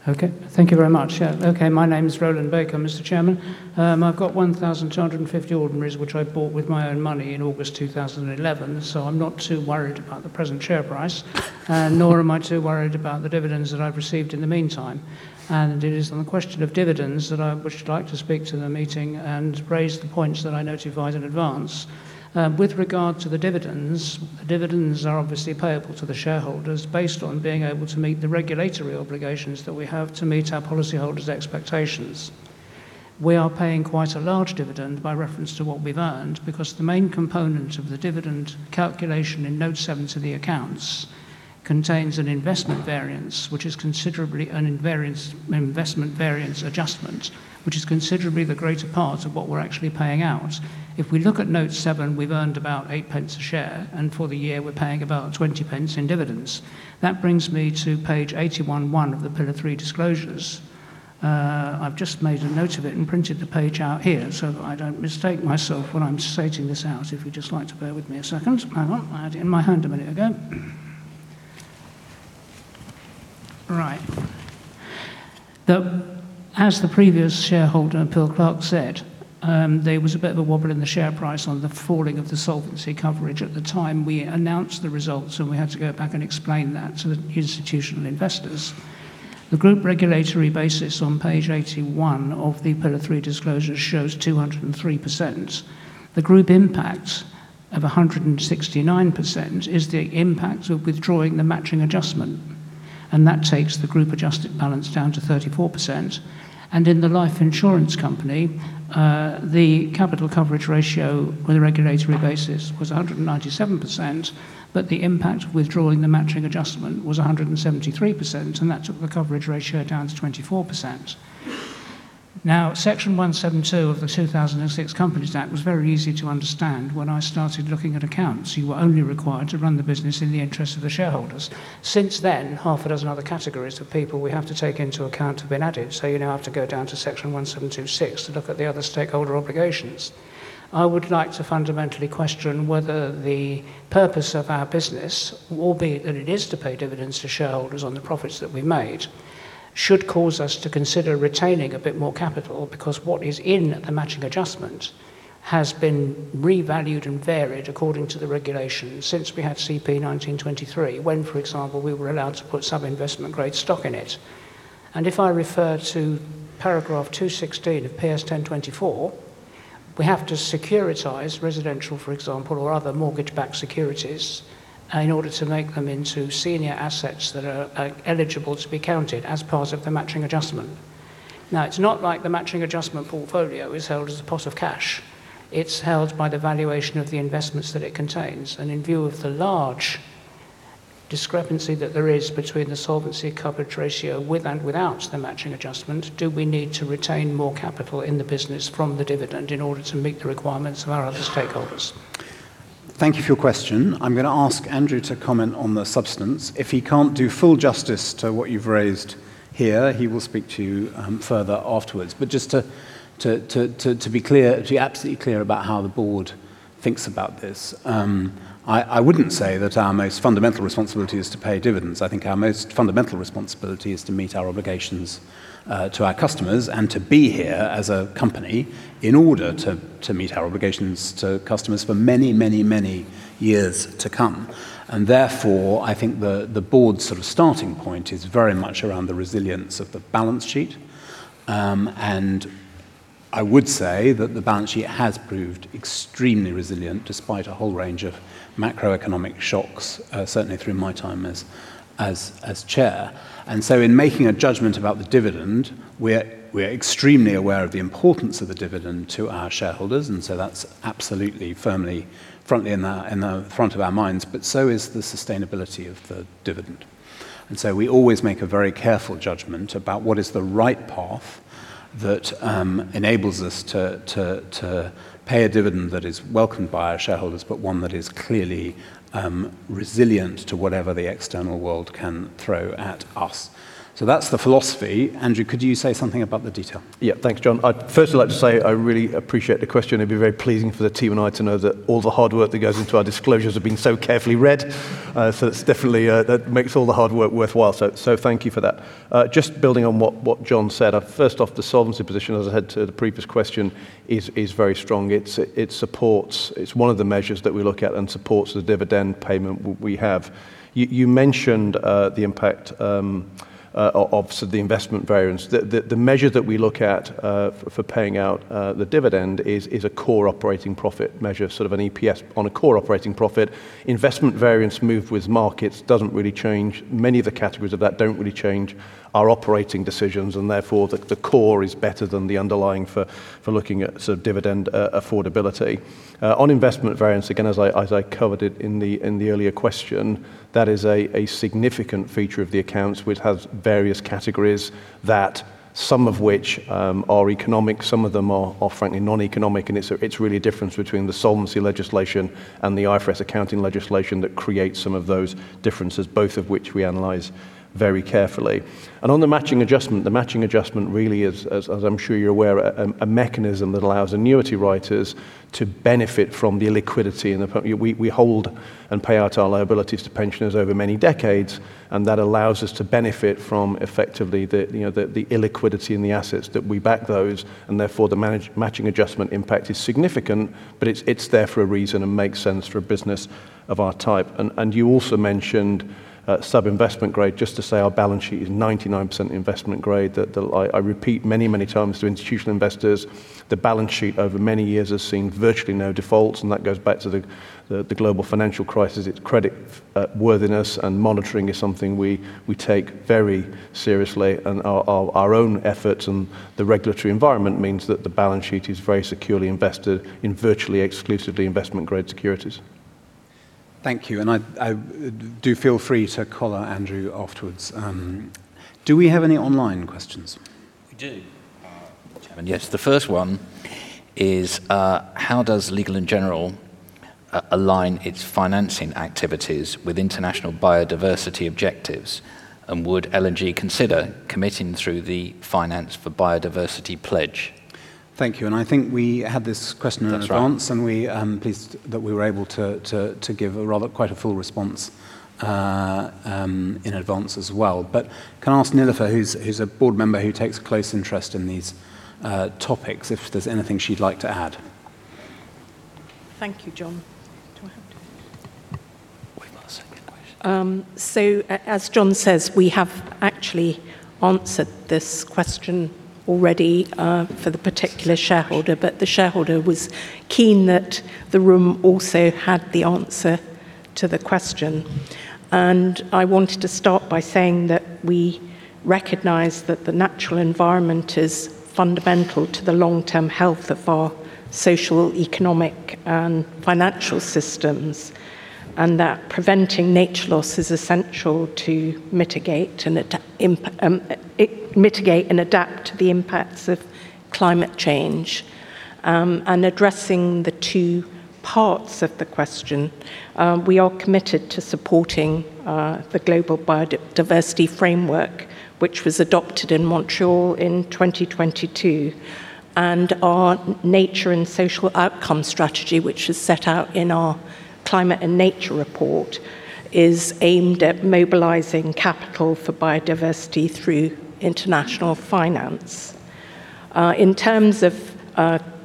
H: Thank you very much. My name's Roland Baker, Mr. Chairman. I've got 1,250 ordinaries, which I bought with my own money in August 2011, so I'm not too worried about the present share price, nor am I too worried about the dividends that I've received in the meantime. It is on the question of dividends that I'd like to speak to the meeting and raise the points that I notified in advance. With regard to the dividends are obviously payable to the shareholders based on being able to meet the regulatory obligations that we have to meet our policyholders' expectations. We are paying quite a large dividend by reference to what we've earned because the main component of the dividend calculation in note seven to the accounts contains an investment variance adjustment, which is considerably the greater part of what we're actually paying out. If we look at note seven, we've earned about 0.08 a share, and for the year we're paying about 0.20 in dividends. That brings me to page 81.1 of the Pillar 3 disclosures. I've just made a note of it and printed the page out here so that I don't mistake myself when I'm stating this out. If you'd just like to bear with me a second. Hang on. I had it in my hand a minute ago. Right. As the previous shareholder, Phil Clark, said, there was a bit of a wobble in the share price on the falling of the solvency coverage at the time we announced the results, and we had to go back and explain that to the institutional investors. The group regulatory basis on page 81 of the Pillar 3 disclosure shows 203%. The group impact of 169% is the impact of withdrawing the matching adjustment, and that takes the group adjusted balance down to 34%. In the life insurance company, the capital coverage ratio on a regulatory basis was 197%, but the impact of withdrawing the matching adjustment was 173%, and that took the coverage ratio down to 24%. Now, Section 172 of the Companies Act 2006 was very easy to understand when I started looking at accounts. You were only required to run the business in the interest of the shareholders. Since then, half a dozen other categories of people we have to take into account have been added. You now have to go down to Section 172(6) to look at the other stakeholder obligations. I would like to fundamentally question whether the purpose of our business, albeit that it is to pay dividends to shareholders on the profits that we made, should cause us to consider retaining a bit more capital because what is in the matching adjustment has been revalued and varied according to the regulations since we had CP19/23 when, for example, we were allowed to put some investment grade stock in it. If I refer to paragraph 216 of PS10/24, we have to securitize residential, for example, or other mortgage-backed securities in order to make them into senior assets that are eligible to be counted as part of the matching adjustment. Now, it's not like the matching adjustment portfolio is held as a pot of cash. It's held by the valuation of the investments that it contains. In view of the large discrepancy that there is between the solvency coverage ratio with and without the matching adjustment, do we need to retain more capital in the business from the dividend in order to meet the requirements of our other stakeholders?
B: Thank you for your question. I'm going to ask Andrew to comment on the substance. If he can't do full justice to what you've raised here, he will speak to you further afterwards. Just to be absolutely clear about how the board thinks about this, I wouldn't say that our most fundamental responsibility is to pay dividends. I think our most fundamental responsibility is to meet our obligations to our customers and to be here as a company in order to meet our obligations to customers for many, many, many years to come. Therefore, I think the board's sort of starting point is very much around the resilience of the balance sheet. I would say that the balance sheet has proved extremely resilient despite a whole range of macroeconomic shocks, certainly through my time as chair. In making a judgment about the dividend, we're extremely aware of the importance of the dividend to our shareholders, and so that's absolutely firmly in the front of our minds, but so is the sustainability of the dividend. We always make a very careful judgment about what is the right path that enables us to pay a dividend that is welcomed by our shareholders, but one that is clearly resilient to whatever the external world can throw at us. That's the philosophy. Andrew, could you say something about the detail?
G: Yeah. Thanks, John. I'd first like to say I really appreciate the question. It'd be very pleasing for the team and I to know that all the hard work that goes into our disclosures have been so carefully read. That's definitely makes all the hard work worthwhile. Thank you for that. Just building on what John said, first off, the solvency position, as I said to the previous question, is very strong. It's one of the measures that we look at and supports the dividend payment we have. You mentioned the impact of the investment variance. The measure that we look at for paying out the dividend is a core operating profit measure, sort of an EPS on a core operating profit. Investment variance move with markets doesn't really change. Many of the categories of that don't really change our operating decisions, therefore, the core is better than the underlying for looking at dividend affordability. On investment variance, again, as I covered it in the earlier question, that is a significant feature of the accounts, which has various categories that some of which are economic, some of them are frankly non-economic. It's really a difference between the solvency legislation and the IFRS accounting legislation that creates some of those differences, both of which we analyze very carefully. On the matching adjustment, the matching adjustment really is, as I'm sure you're aware, a mechanism that allows annuity writers to benefit from the illiquidity. We hold and pay out our liabilities to pensioners over many decades, and that allows us to benefit from effectively the illiquidity in the assets that we back those, and therefore, the matching adjustment impact is significant, but it's there for a reason and makes sense for a business of our type. You also mentioned sub-investment grade, just to say our balance sheet is 99% investment grade. I repeat many, many times to institutional investors, the balance sheet over many years has seen virtually no defaults, and that goes back to the global financial crisis. Its credit worthiness and monitoring is something we take very seriously. Our own efforts and the regulatory environment means that the balance sheet is very securely invested in virtually exclusively investment-grade securities.
B: Thank you. Do feel free to collar Andrew afterwards. Do we have any online questions?
A: We do. Yes, the first one is, how does Legal & General align its financing activities with international biodiversity objectives? Would L&G consider committing through the Finance for Biodiversity Pledge?
B: Thank you. I think we had this question in advance.
A: That's right.
B: We are pleased that we were able to give quite a full response in advance as well. Can I ask Nilufer, who's a board member who takes a close interest in these topics, if there's anything she'd like to add?
I: Thank you, John. Do I have to.
B: We've got a second question.
I: As John says, we have actually answered this question already for the particular shareholder, but the shareholder was keen that the room also had the answer to the question. I wanted to start by saying that we recognize that the natural environment is fundamental to the long-term health of our social, economic, and financial systems, and that preventing nature loss is essential to mitigate and adapt to the impacts of climate change. Addressing the two parts of the question, we are committed to supporting the Global Biodiversity Framework, which was adopted in Montreal in 2022. Our nature and social outcome strategy, which is set out in our Climate and nature report, is aimed at mobilizing capital for biodiversity through international finance. In terms of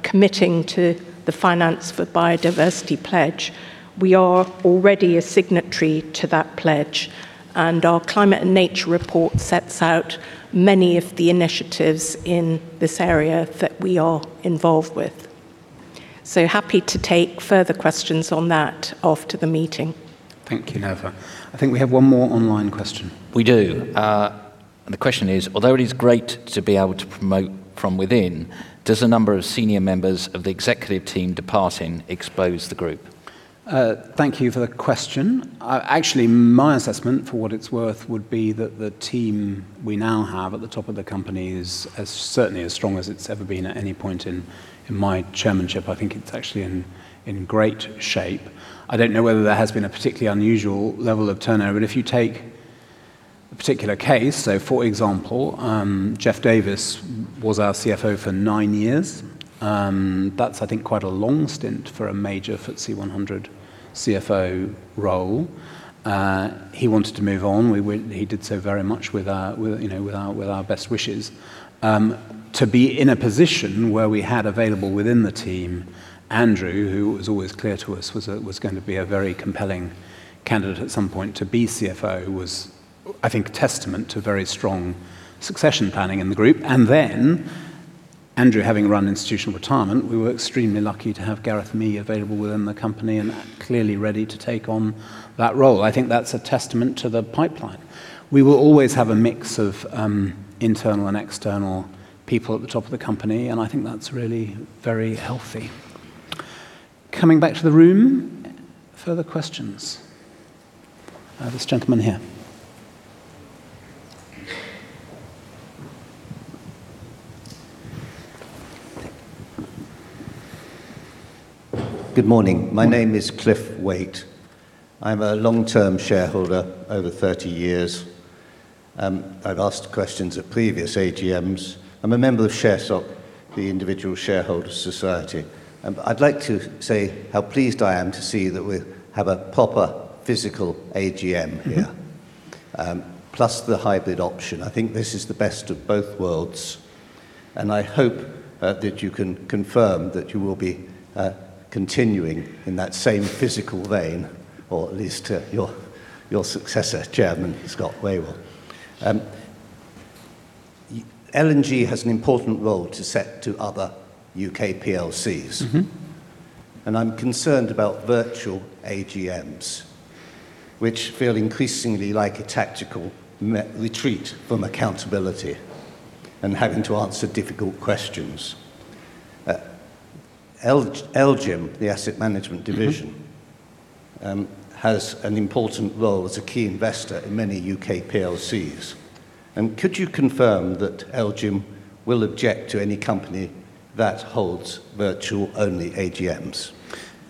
I: committing to the Finance for Biodiversity Pledge, we are already a signatory to that pledge, and our Climate and nature report sets out many of the initiatives in this area that we are involved with. Happy to take further questions on that after the meeting.
B: Thank you, Nilufer. I think we have one more online question.
A: We do. The question is, although it is great to be able to promote from within, does the number of senior members of the executive team departing expose the group?
B: Thank you for the question. Actually, my assessment, for what it's worth, would be that the team we now have at the top of the company is certainly as strong as it's ever been at any point in my chairmanship. I think it's actually in great shape. I don't know whether there has been a particularly unusual level of turnover. If you take a particular case, so for example, Jeff Davies was our CFO for nine years. That's, I think, quite a long stint for a major FTSE 100 CFO role. He wanted to move on. He did so very much with our best wishes. To be in a position where we had available within the team Andrew, who was always clear to us was going to be a very compelling candidate at some point to be CFO, was, I think, testament to very strong succession planning in the Group. Andrew having run Institutional Retirement, we were extremely lucky to have Gareth Mee available within the Company and clearly ready to take on that role. I think that's a testament to the pipeline. We will always have a mix of internal and external people at the top of the Company, and I think that's really very healthy. Coming back to the room, further questions. This gentleman here.
J: Good morning. My name is Cliff Weight. I'm a long-term shareholder, over 30 years. I've asked questions at previous AGMs. I'm a member of ShareSoc, the Individual Shareholder Society. I'd like to say how pleased I am to see that we have a proper physical AGM here, plus the hybrid option. I think this is the best of both worlds. I hope that you can confirm that you will be continuing in that same physical vein, or at least your successor Chairman, Scott Wheway. L&G has an important role to set to other U.K. PLCs. I'm concerned about virtual AGMs, which feel increasingly like a tactical retreat from accountability and having to answer difficult questions. LGIM, the asset management division has an important role as a key investor in many U.K. PLCs. Could you confirm that LGIM will object to any company that holds virtual-only AGMs?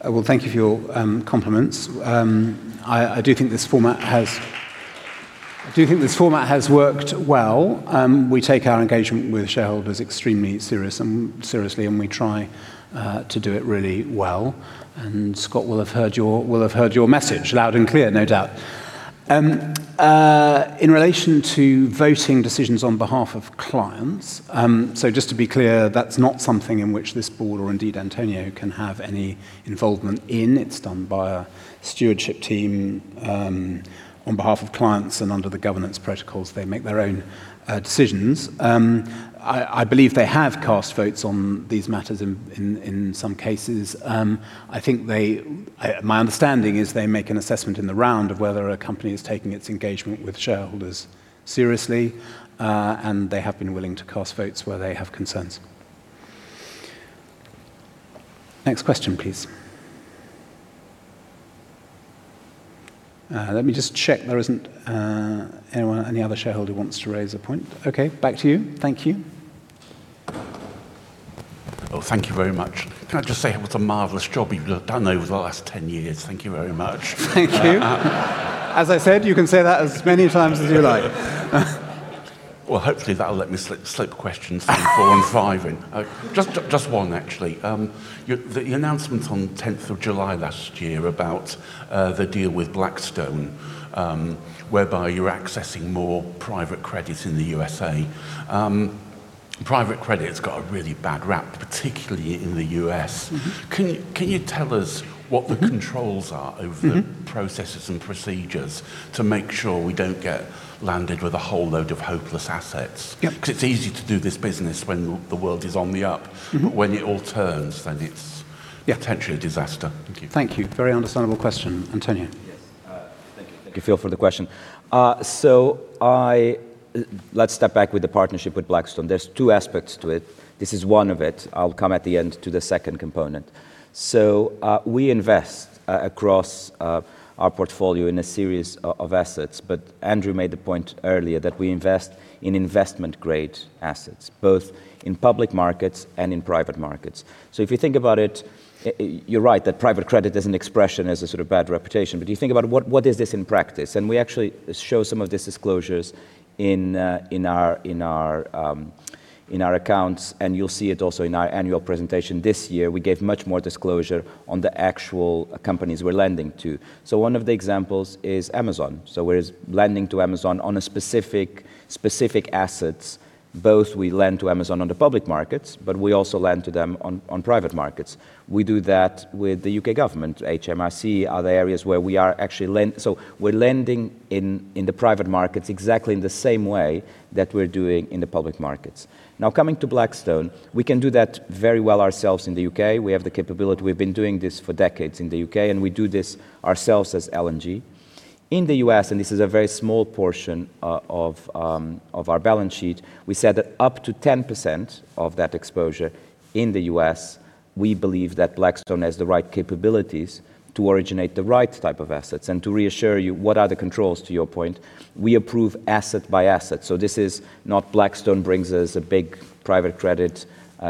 B: Well, thank you for your compliments. I do think this format has worked well. We take our engagement with shareholders extremely seriously, and we try to do it really well. Scott will have heard your message loud and clear, no doubt. In relation to voting decisions on behalf of clients, just to be clear, that is not something in which this board or indeed António can have any involvement in. It is done by a stewardship team on behalf of clients and under the governance protocols. They make their own decisions. I believe they have cast votes on these matters in some cases. My understanding is they make an assessment in the round of whether a company is taking its engagement with shareholders seriously, and they have been willing to cast votes where they have concerns. Next question, please. Let me just check there isn't any other shareholder who wants to raise a point. Okay, back to you. Thank you.
F: Oh, thank you very much. Can I just say what a marvelous job you've done over the last 10 years. Thank you very much.
B: Thank you. As I said, you can say that as many times as you like.
F: Hopefully that'll let me slip questions four and five in. Just one, actually. The announcement on the 10th of July last year about the deal with Blackstone, whereby you're accessing more private credit in the U.S.A. Private credit's got a really bad rap, particularly in the U.S. Can you tell us what the controls are? Over the processes and procedures to make sure we don't get landed with a whole load of hopeless assets?
B: Yep.
F: Because it's easy to do this business when the world is on the up. When it all turns... Yeah. ...potentially a disaster.
B: Thank you. Very understandable question. António.
C: Yes. Thank you, Phil, for the question. Let's step back with the partnership with Blackstone. There's two aspects to it. This is one of it. I'll come at the end to the second component. We invest across our portfolio in a series of assets, but Andrew made the point earlier that we invest in investment-grade assets, both in public markets and in private markets. If you think about it, you're right, that private credit as an expression has a sort of bad reputation. You think about what is this in practice? We actually show some of these disclosures in our accounts, and you'll see it also in our annual presentation this year. We gave much more disclosure on the actual companies we're lending to. One of the examples is Amazon. We're lending to Amazon on specific assets. Both we lend to Amazon on the public markets, but we also lend to them on private markets. We do that with the U.K. government, HMRC, other areas where we are actually lend. We're lending in the private markets exactly in the same way that we're doing in the public markets. Now, coming to Blackstone, we can do that very well ourselves in the U.K. We have the capability. We've been doing this for decades in the U.K., and we do this ourselves as L&G. In the U.S., and this is a very small portion of our balance sheet, we said that up to 10% of that exposure in the U.S., we believe that Blackstone has the right capabilities to originate the right type of assets. To reassure you, what are the controls, to your point, we approve asset by asset. This is not Blackstone brings us a big private credit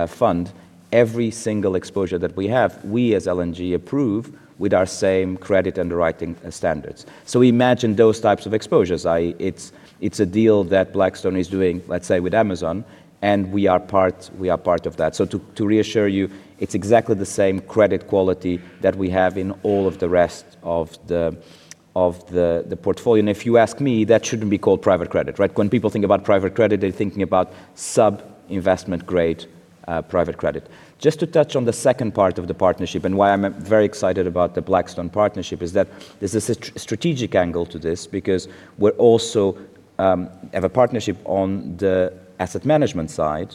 C: fund. Every single exposure that we have, we, as L&G, approve with our same credit underwriting standards. We imagine those types of exposures. It's a deal that Blackstone is doing, let's say, with Amazon, and we are part of that. To reassure you, it's exactly the same credit quality that we have in all of the rest of the portfolio. If you ask me, that shouldn't be called private credit, right? When people think about private credit, they're thinking about sub-investment grade private credit. Just to touch on the second part of the partnership and why I'm very excited about the Blackstone partnership is that there's a strategic angle to this because we also have a partnership on the asset management side,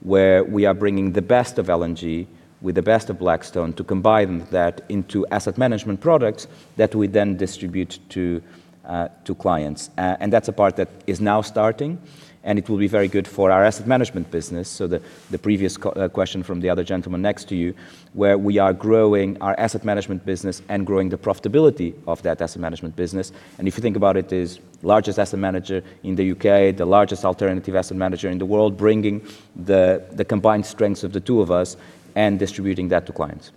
C: where we are bringing the best of L&G with the best of Blackstone to combine that into asset management products that we then distribute to clients. That's a part that is now starting, and it will be very good for our Asset management business. The previous question from the other gentleman next to you, where we are growing our Asset Management business and growing the profitability of that asset management business. If you think about it is the largest asset manager in the U.K., the largest alternative asset manager in the world, bringing the combined strengths of the two of us and distributing that to clients.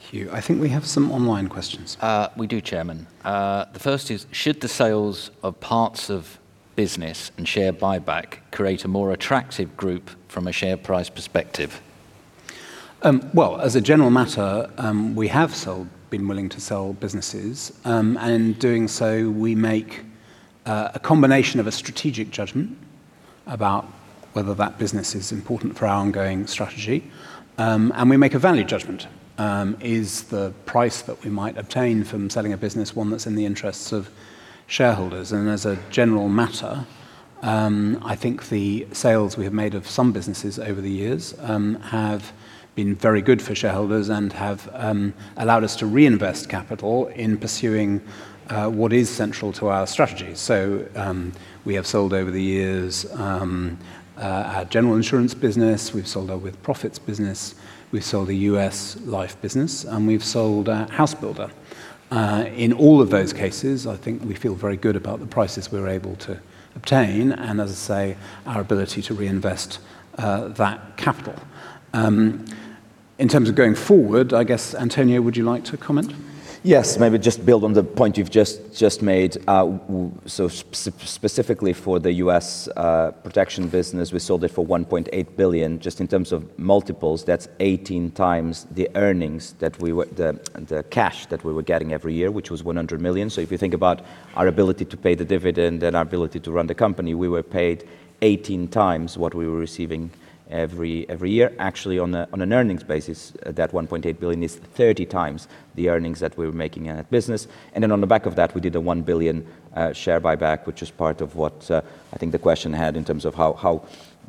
B: Thank you. I think we have some online questions.
A: We do, Chairman. The first is, should the sales of parts of business and share buyback create a more attractive group from a share price perspective?
B: Well, as a general matter, we have been willing to sell businesses. In doing so, we make a combination of a strategic judgment about whether that business is important for our ongoing strategy. We make a value judgment. Is the price that we might obtain from selling a business one that's in the interests of shareholders? As a general matter, I think the sales we have made of some businesses over the years have been very good for shareholders and have allowed us to reinvest capital in pursuing what is central to our strategy. We have sold over the years our general insurance business, we've sold our with-profits business, we've sold the U.S. life business, and we've sold our house builder. In all of those cases, I think we feel very good about the prices we were able to obtain and, as I say, our ability to reinvest that capital. In terms of going forward, I guess, António, would you like to comment?
C: Yes, maybe just build on the point you've just made. Specifically for the U.S. protection business, we sold it for 1.8 billion. Just in terms of multiples, that's 18x the earnings, the cash that we were getting every year, which was 100 million. If you think about our ability to pay the dividend and our ability to run the company, we were paid 18x what we were receiving every year. Actually, on an earnings basis, that 1.8 billion is 30x the earnings that we were making in that business. On the back of that, we did a 1 billion share buyback, which is part of what I think the question had in terms of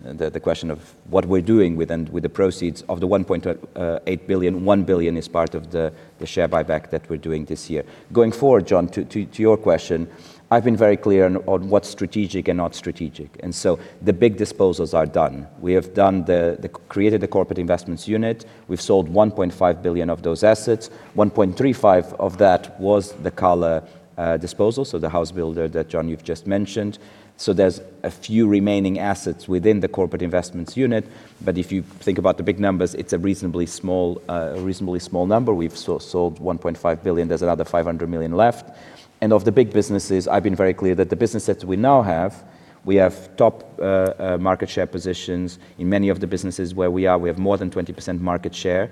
C: the question of what we're doing with the proceeds of the 1.8 billion. 1 billion is part of the share buyback that we're doing this year. Going forward, John, to your question, I've been very clear on what's strategic and not strategic. The big disposals are done. We have created the Corporate Investments Unit. We've sold 1.5 billion of those assets. 1.35 billion of that was the Cala disposal, so the house builder that, John, you've just mentioned. There's a few remaining assets within the Corporate Investments Unit, but if you think about the big numbers, it's a reasonably small number. We've sold 1.5 billion. There's another 500 million left. Of the big businesses, I've been very clear that the business that we now have, we have top market share positions. In many of the businesses where we are, we have more than 20% market share.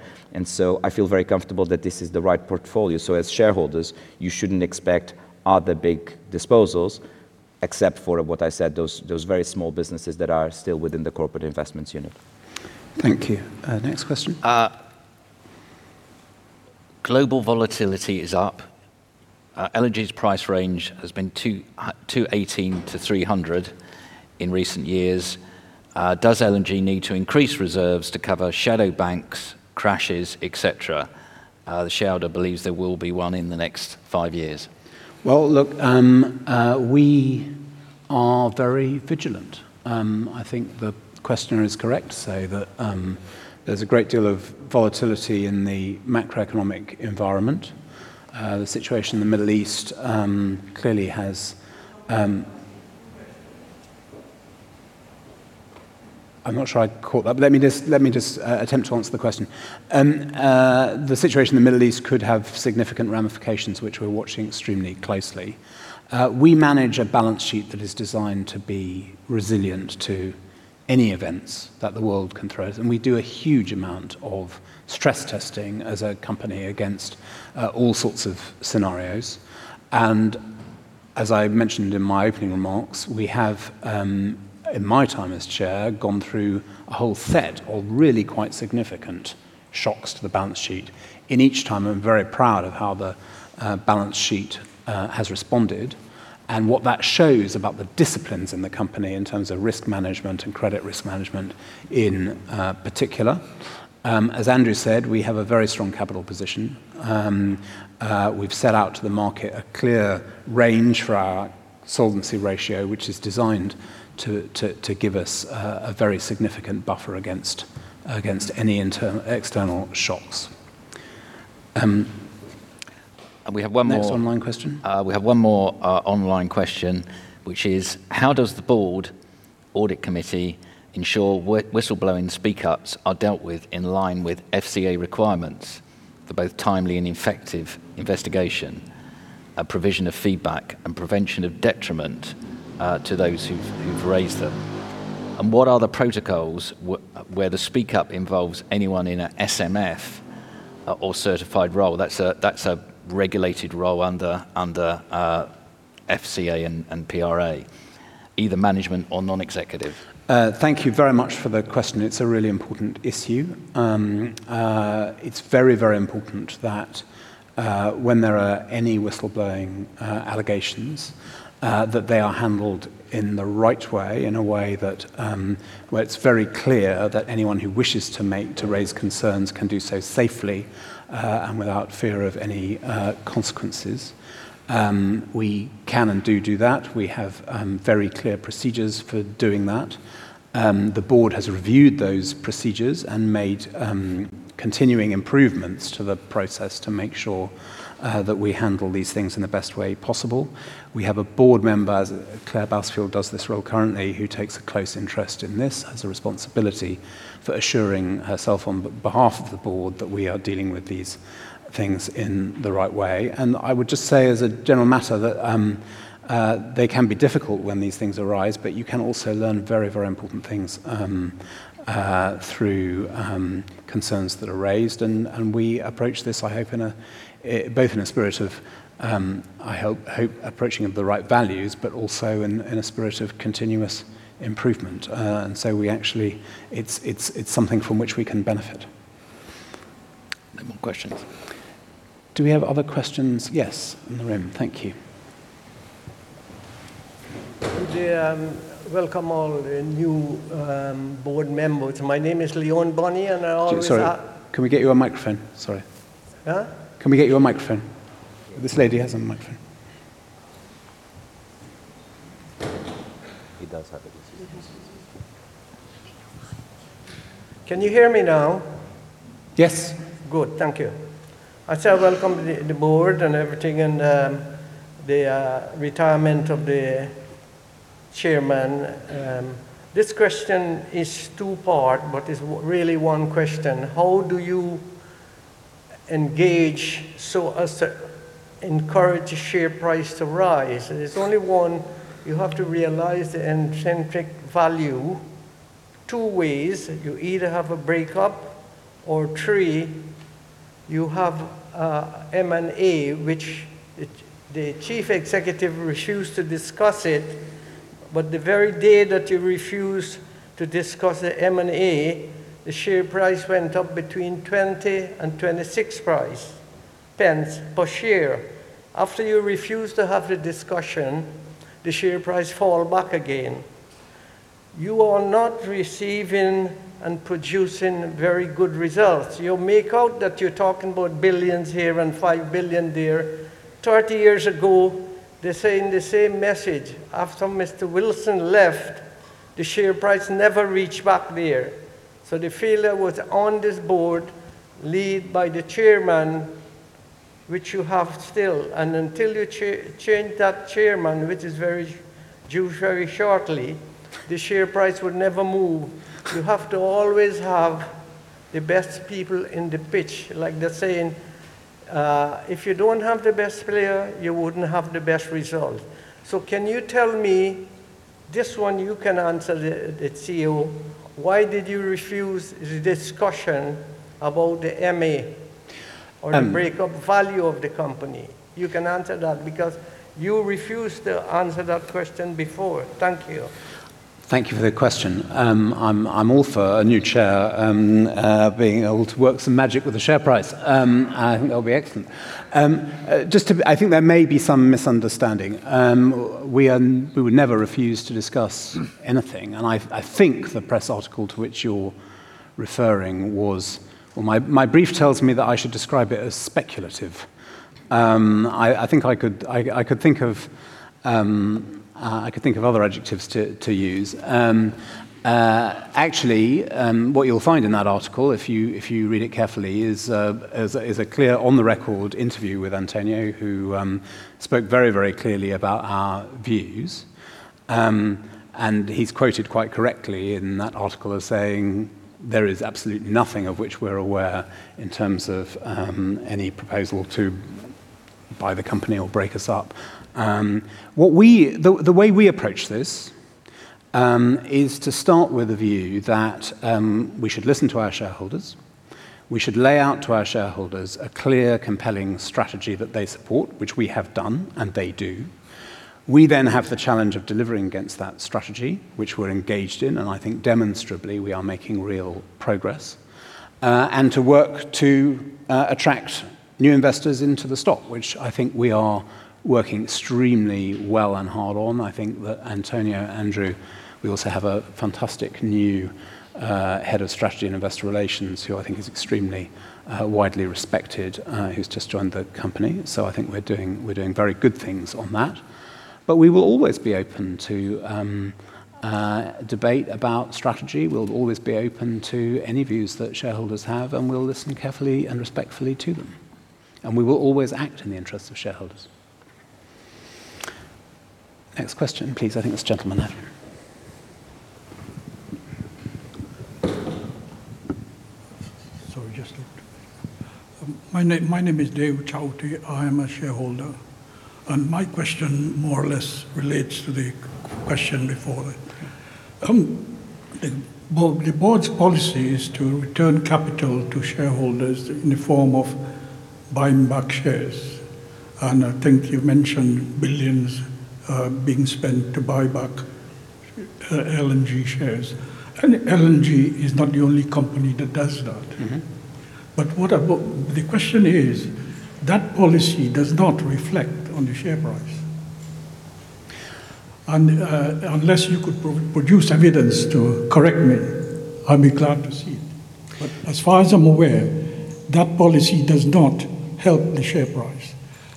C: I feel very comfortable that this is the right portfolio. As shareholders, you shouldn't expect other big disposals except for what I said, those very small businesses that are still within the Corporate Investments Unit.
B: Thank you. Next question.
A: Global volatility is up. L&G's price range has been 218-300 in recent years. Does L&G need to increase reserves to cover shadow banks, crashes, et cetera? The shareholder believes there will be one in the next five years.
B: Well, look, we are very vigilant. I think the questioner is correct to say that there's a great deal of volatility in the macroeconomic environment. I'm not sure I caught that, but let me just attempt to answer the question. The situation in the Middle East could have significant ramifications, which we're watching extremely closely. We manage a balance sheet that is designed to be resilient to any events that the world can throw at them. We do a huge amount of stress testing as a company against all sorts of scenarios. As I mentioned in my opening remarks, we have, in my time as Chair, gone through a whole set of really quite significant shocks to the balance sheet. In each time, I'm very proud of how the balance sheet has responded and what that shows about the disciplines in the company in terms of risk management and credit risk management in particular. As Andrew said, we have a very strong capital position. We've set out to the market a clear range for our solvency ratio, which is designed to give us a very significant buffer against any external shocks.
A: And we have one more-
B: Next online question?
A: We have one more online question, which is, how does the board audit committee ensure whistleblowing speak ups are dealt with in line with FCA requirements for both timely and effective investigation, a provision of feedback, and prevention of detriment to those who've raised them? What are the protocols where the speak up involves anyone in an SMF or certified role? That's a regulated role under FCA and PRA, either management or non-executive.
B: Thank you very much for the question. It's a really important issue. It's very, very important that when there are any whistleblowing allegations, that they are handled in the right way, in a way where it's very clear that anyone who wishes to raise concerns can do so safely and without fear of any consequences. We can and do do that. We have very clear procedures for doing that. The board has reviewed those procedures and made continuing improvements to the process to make sure that we handle these things in the best way possible. We have a board member, Clare Bousfield does this role currently, who takes a close interest in this, has a responsibility for assuring herself on behalf of the board that we are dealing with these things in the right way. I would just say as a general matter that they can be difficult when these things arise, but you can also learn very, very important things through concerns that are raised. We approach this, I hope, both in a spirit of, I hope, approaching of the right values, but also in a spirit of continuous improvement. Actually, it's something from which we can benefit. No more questions. Do we have other questions? Yes. In the room. Thank you.
K: Good day. Welcome all new board members. My name is Leon Bonnie, and I always ask.
B: Sorry. Can we get you a microphone? Sorry.
K: Huh?
B: Can we get you a microphone? This lady has a microphone.
A: He does have it.
K: Can you hear me now?
B: Yes.
K: Good. Thank you. I say welcome the board and everything, and the retirement of the chairman. This question is two-part, but it's really one question. How do you engage so as to encourage the share price to rise? There's only one. You have to realize the intrinsic value. Two ways. You either have a breakup, or three, you have M&A, which the chief executive refused to discuss it. The very day that you refused to discuss the M&A, the share price went up between 0.20 and 0.26 per share. After you refused to have the discussion, the share price fall back again. You are not receiving and producing very good results. You make out that you're talking about billions here and 5 billion there. 30 years ago, they're saying the same message. After Nigel Wilson left, the share price never reached back there. The failure was on this board, led by the chairman, which you have still. Until you change that chairman, which is due very shortly, the share price would never move. You have to always have the best people in the pitch. Like the saying, if you don't have the best player, you wouldn't have the best result. Can you tell me, this one you can answer, the CEO, why did you refuse the discussion about the M&A or the breakup value of the company? You can answer that because you refused to answer that question before. Thank you.
B: Thank you for the question. I'm all for a new chair being able to work some magic with the share price. I think that will be excellent. I think there may be some misunderstanding. We would never refuse to discuss anything. I think the press article to which you're referring, well, my brief tells me that I should describe it as speculative. I could think of other adjectives to use. Actually, what you'll find in that article, if you read it carefully, is a clear on the record interview with António, who spoke very, very clearly about our views. He's quoted quite correctly in that article as saying, "There is absolutely nothing of which we're aware in terms of any proposal to buy the company or break us up." The way we approach this is to start with the view that we should listen to our shareholders. We should lay out to our shareholders a clear, compelling strategy that they support, which we have done, and they do. We then have the challenge of delivering against that strategy, which we're engaged in, and I think demonstrably, we are making real progress. To work to attract new investors into the stock, which I think we are working extremely well and hard on. I think that António, Andrew, we also have a fantastic new head of strategy and investor relations who I think is extremely widely respected, who's just joined the company. I think we're doing very good things on that. We will always be open to debate about strategy. We'll always be open to any views that shareholders have, and we'll listen carefully and respectfully to them. We will always act in the interests of shareholders. Next question, please. I think this gentleman there.
L: Sorry, just looked. My name is Dave Chowty. I am a shareholder. My question more or less relates to the question before. The board's policy is to return capital to shareholders in the form of buying back shares, and I think you mentioned billions being spent to buy back L&G shares. L&G is not the only company that does that. The question is, that policy does not reflect on the share price. Unless you could produce evidence to correct me, I'd be glad to see it. As far as I'm aware, that policy does not help the share price.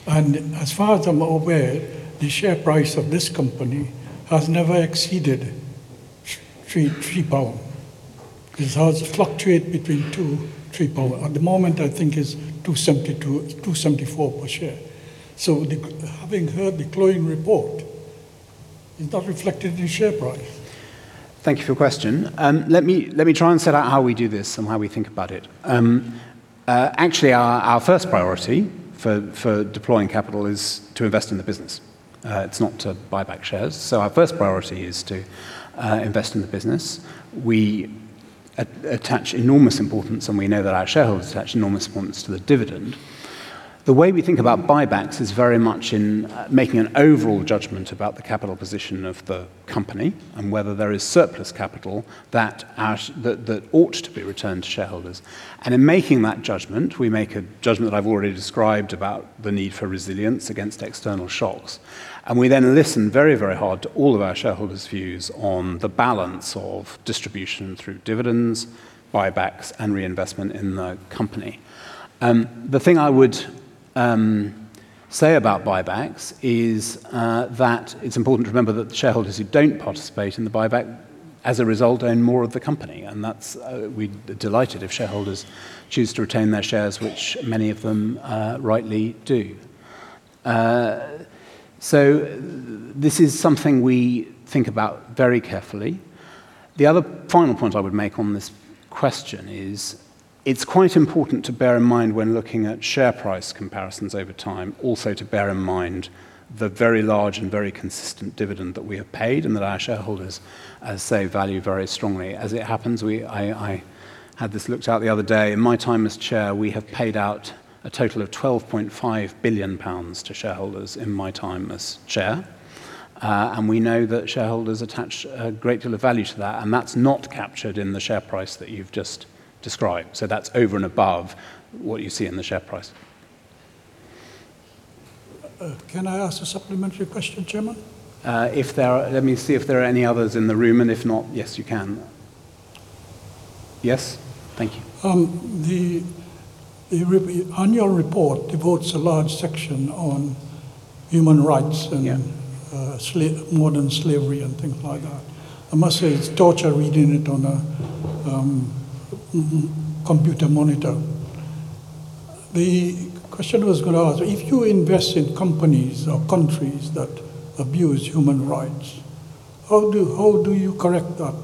L: As far as I'm aware, the share price of this company has never exceeded GBP 3. It has fluctuated between 2-3. At the moment, I think it's 2.74 per share. Having heard the glowing report, it's not reflected in the share price.
B: Thank you for your question. Let me try and set out how we do this and how we think about it. Actually, our first priority for deploying capital is to invest in the business. It's not to buy back shares. Our first priority is to invest in the business. We attach enormous importance, and we know that our shareholders attach enormous importance to the dividend. The way we think about buybacks is very much in making an overall judgment about the capital position of the company and whether there is surplus capital that ought to be returned to shareholders. In making that judgment, we make a judgment that I've already described about the need for resilience against external shocks. We then listen very hard to all of our shareholders' views on the balance of distribution through dividends, buybacks, and reinvestment in the company. The thing I would say about buybacks is that it's important to remember that the shareholders who don't participate in the buyback, as a result, own more of the company, and we're delighted if shareholders choose to retain their shares, which many of them rightly do. This is something we think about very carefully. The other final point I would make on this question is it's quite important to bear in mind when looking at share price comparisons over time, also to bear in mind the very large and very consistent dividend that we have paid and that our shareholders so value very strongly. As it happens, I had this looked at the other day. In my time as chair, we have paid out a total of 12.5 billion pounds to shareholders in my time as chair. We know that shareholders attach a great deal of value to that, and that's not captured in the share price that you've just described. That's over and above what you see in the share price.
L: Can I ask a supplementary question, Chairman?
B: Let me see if there are any others in the room, and if not, yes, you can. Yes? Thank you.
L: The annual report devotes a large section on human rights.
B: Yeah.
L: Modern slavery and things like that. I must say, it's torture reading it on a computer monitor. The question I was going to ask, if you invest in companies or countries that abuse human rights, how do you correct that?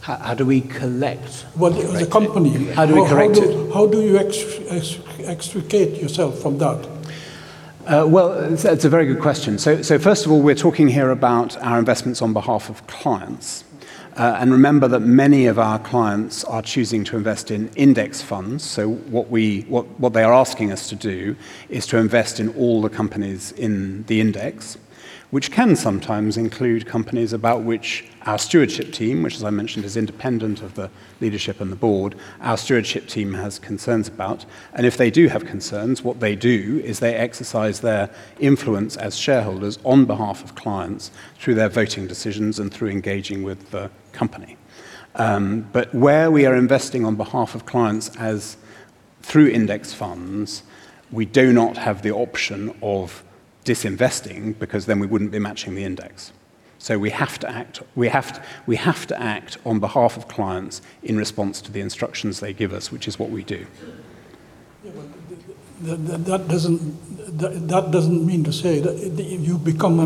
B: How do we collect?
L: Well, the company.
B: How do we correct it?
L: How do you extricate yourself from that?
B: It's a very good question. First of all, we're talking here about our investments on behalf of clients. Remember that many of our clients are choosing to invest in index funds. What they are asking us to do is to invest in all the companies in the index, which can sometimes include companies about which our stewardship team, which as I mentioned, is independent of the leadership and the board, our stewardship team has concerns about. If they do have concerns, what they do is they exercise their influence as shareholders on behalf of clients through their voting decisions and through engaging with the company. Where we are investing on behalf of clients through index funds, we do not have the option of disinvesting, because then we wouldn't be matching the index. We have to act on behalf of clients in response to the instructions they give us, which is what we do.
L: Yeah, that doesn't mean to say that you become,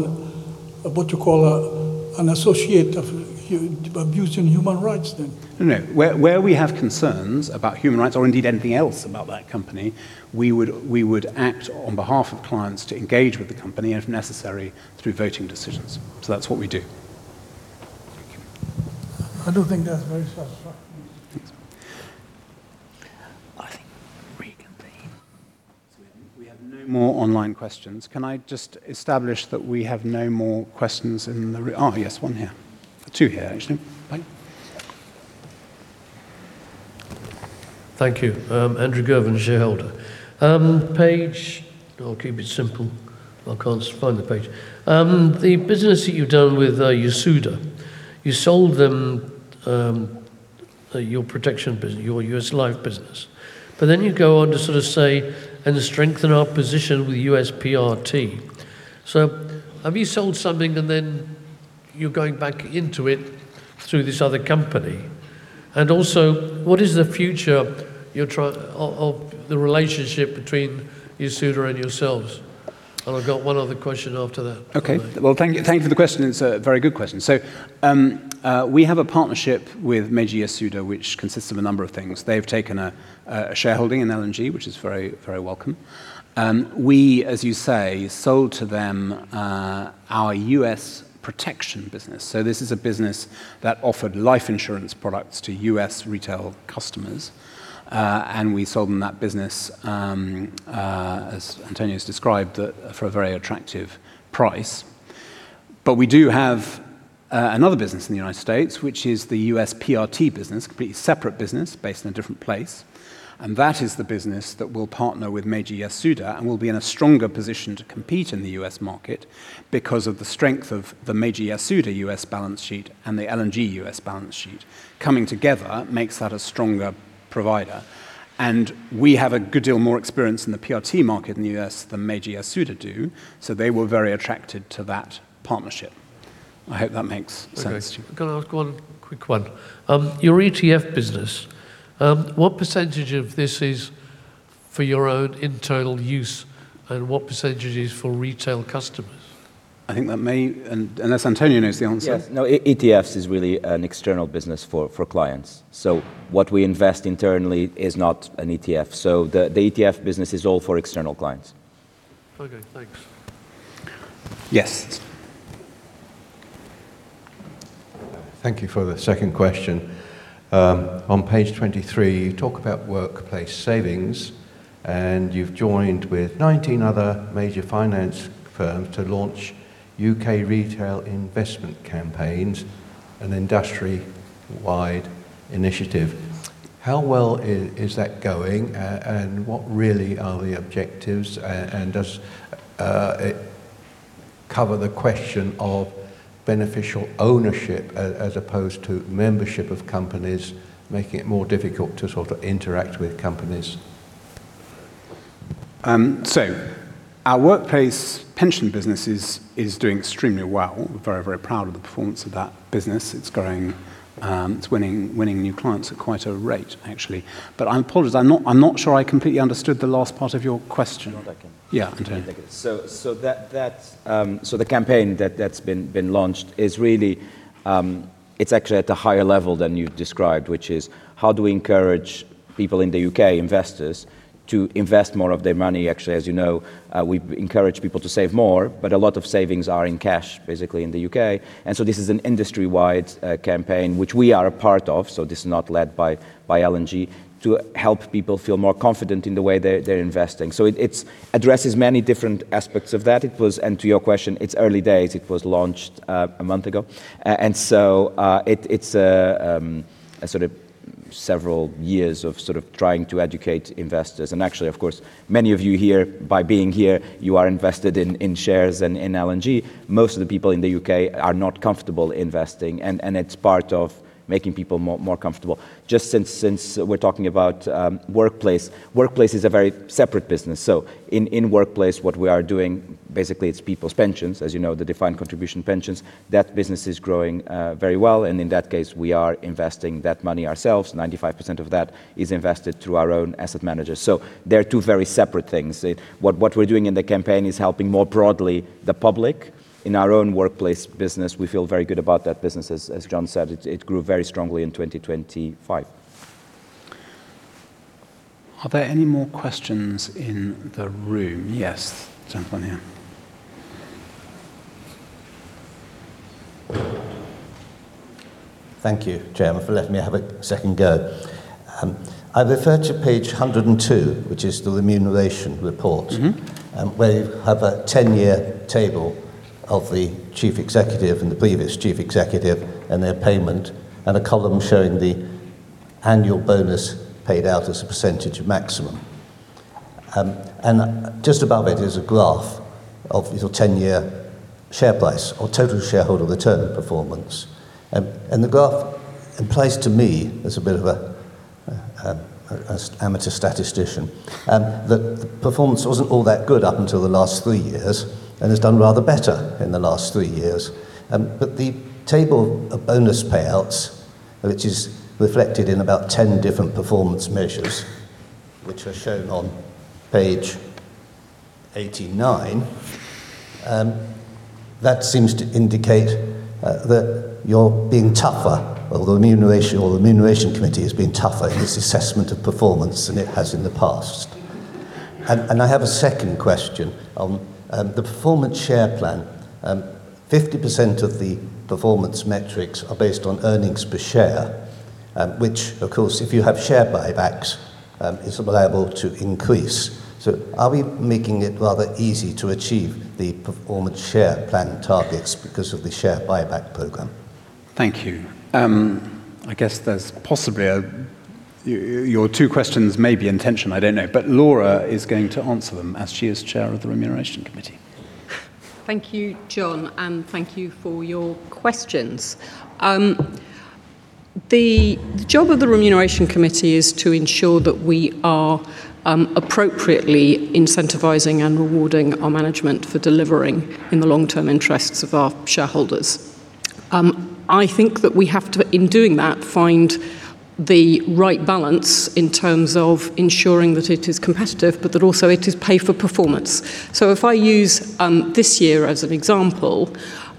L: what you call, an associate of abusing human rights then.
B: No. Where we have concerns about human rights or indeed anything else about that company, we would act on behalf of clients to engage with the company, if necessary, through voting decisions. That's what we do.
L: Thank you. I don't think that's very satisfactory.
B: Thanks. I think reconvene. We have no more online questions. Can I just establish that we have no more questions in the room? Oh, yes, one here. Two here, actually.
M: Thank you. Andrew Girvin, shareholder. I'll keep it simple. I can't find the page. The business that you've done with Yasuda. You sold them your protection business, your U.S. life business, but then you go on to sort of say, "And to strengthen our position with U.S. PRT." Have you sold something and then you're going back into it through this other company? What is the future of the relationship between Yasuda and yourselves? I've got one other question after that.
B: Okay. Well, thank you for the question. It's a very good question. We have a partnership with Meiji Yasuda, which consists of a number of things. They've taken a shareholding in L&G, which is very welcome. We, as you say, sold to them our U.S. protection business. This is a business that offered life insurance products to U.S. retail customers. We sold them that business, as António's described, for a very attractive price. We do have another business in the United States, which is the U.S. PRT business, completely separate business based in a different place. That is the business that will partner with Meiji Yasuda and will be in a stronger position to compete in the U.S. market because of the strength of the Meiji Yasuda U.S. balance sheet and the L&G U.S. balance sheet. Coming together makes that a stronger provider. We have a good deal more experience in the PRT market in the U.S. than Meiji Yasuda do. They were very attracted to that partnership. I hope that makes sense.
M: Okay. Can I ask one quick one? Your ETF business, what % of this is for your own internal use, and what % is for retail customers?
B: I think that may, unless António knows the answer.
C: Yes. No, ETFs is really an external business for clients. What we invest internally is not an ETF. The ETF business is all for external clients.
M: Okay, thanks.
B: Yes?
D: Thank you for the second question. On page 23, you talk about workplace savings. You've joined with 19 other major finance firms to launch U.K. retail investment campaigns, an industry-wide initiative. How well is that going, and what really are the objectives? Does it cover the question of beneficial ownership as opposed to membership of companies, making it more difficult to interact with companies?
B: Our workplace pension business is doing extremely well. We're very proud of the performance of that business. It's growing. It's winning new clients at quite a rate, actually. I apologize, I'm not sure I completely understood the last part of your question.
C: No, I can-
B: Yeah.
C: Okay. The campaign that's been launched is actually at a higher level than you described, which is, how do we encourage people in the U.K., investors, to invest more of their money. Actually, as you know, we encourage people to save more, but a lot of savings are in cash, basically, in the U.K. This is an industry-wide campaign which we are a part of, so this is not led by L&G, to help people feel more confident in the way they're investing. It addresses many different aspects of that. To your question, it's early days. It was launched a month ago. It's several years of trying to educate investors. Actually, of course, many of you here, by being here, you are invested in shares and in L&G. Most of the people in the U.K. are not comfortable investing, and it's part of making people more comfortable. Just since we're talking about Workplace. Workplace is a very separate business. In Workplace, what we are doing, basically it's people's pensions, as you know, the defined contribution pensions. That business is growing very well, and in that case, we are investing that money ourselves. 95% of that is invested through our own asset managers. They're two very separate things. What we're doing in the campaign is helping more broadly the public. In our own Workplace business, we feel very good about that business. As John said, it grew very strongly in 2025.
B: Are there any more questions in the room? Yes. Gentleman here.
J: Thank you, Chairman, for letting me have a second go. I refer to page 102, which is the remuneration report. Where you have a 10-year table of the chief executive and the previous chief executive and their payment, a column showing the annual bonus paid out as a percentage of maximum. Just above it is a graph of your 10-year share price or total shareholder return performance. The graph implies to me, as a bit of an amateur statistician, that the performance wasn't all that good up until the last three years and has done rather better in the last three years. The table of bonus payouts, which is reflected in about 10 different performance measures, which are shown on page 89, that seems to indicate that you're being tougher, or the remuneration committee is being tougher in this assessment of performance than it has in the past. I have a second question on the Performance Share Plan. 50% of the performance metrics are based on earnings per share, which, of course, if you have share buybacks, is liable to increase. Are we making it rather easy to achieve the Performance Share Plan targets because of the share buyback program?
B: Thank you. I guess your two questions may be intention. I don't know. Laura is going to answer them, as she is Chair of the Remuneration Committee.
N: Thank you, John, and thank you for your questions. The job of the Remuneration Committee is to ensure that we are appropriately incentivizing and rewarding our management for delivering in the long-term interests of our shareholders. I think that we have to, in doing that, find the right balance in terms of ensuring that it is competitive, but that also it is pay for performance. If I use this year as an example,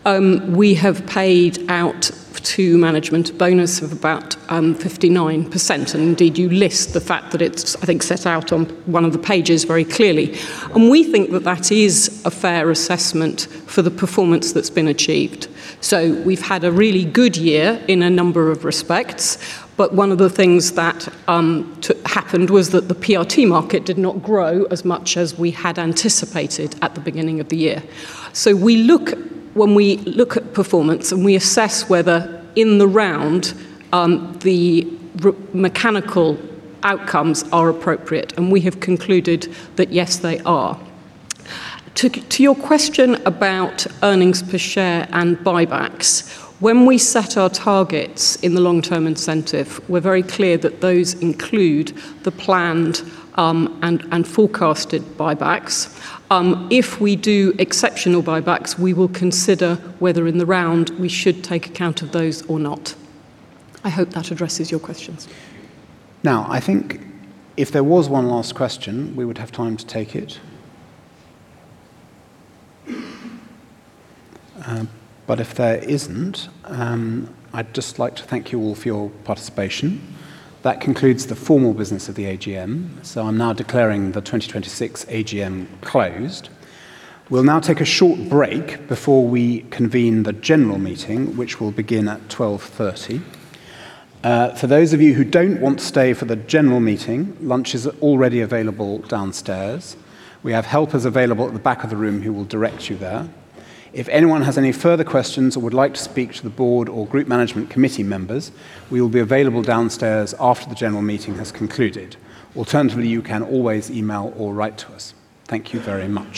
N: we have paid out to management a bonus of about 59%. Indeed, you list the fact that it is, I think, set out on one of the pages very clearly. We think that that is a fair assessment for the performance that has been achieved. We have had a really good year in a number of respects. One of the things that happened was that the PRT market did not grow as much as we had anticipated at the beginning of the year. When we look at performance, and we assess whether, in the round, the mechanical outcomes are appropriate, and we have concluded that, yes, they are. To your question about earnings per share and buybacks. When we set our targets in the long-term incentive, we are very clear that those include the planned and forecasted buybacks. If we do exceptional buybacks, we will consider whether, in the round, we should take account of those or not. I hope that addresses your questions.
B: I think if there was one last question, we would have time to take it. If there isn't, I'd just like to thank you all for your participation. That concludes the formal business of the AGM. I'm now declaring the 2026 AGM closed. We'll now take a short break before we convene the general meeting, which will begin at 12:30 PM. For those of you who don't want to stay for the general meeting, lunch is already available downstairs. We have helpers available at the back of the room who will direct you there. If anyone has any further questions or would like to speak to the board or group management committee members, we will be available downstairs after the general meeting has concluded. Alternatively, you can always email or write to us. Thank you very much.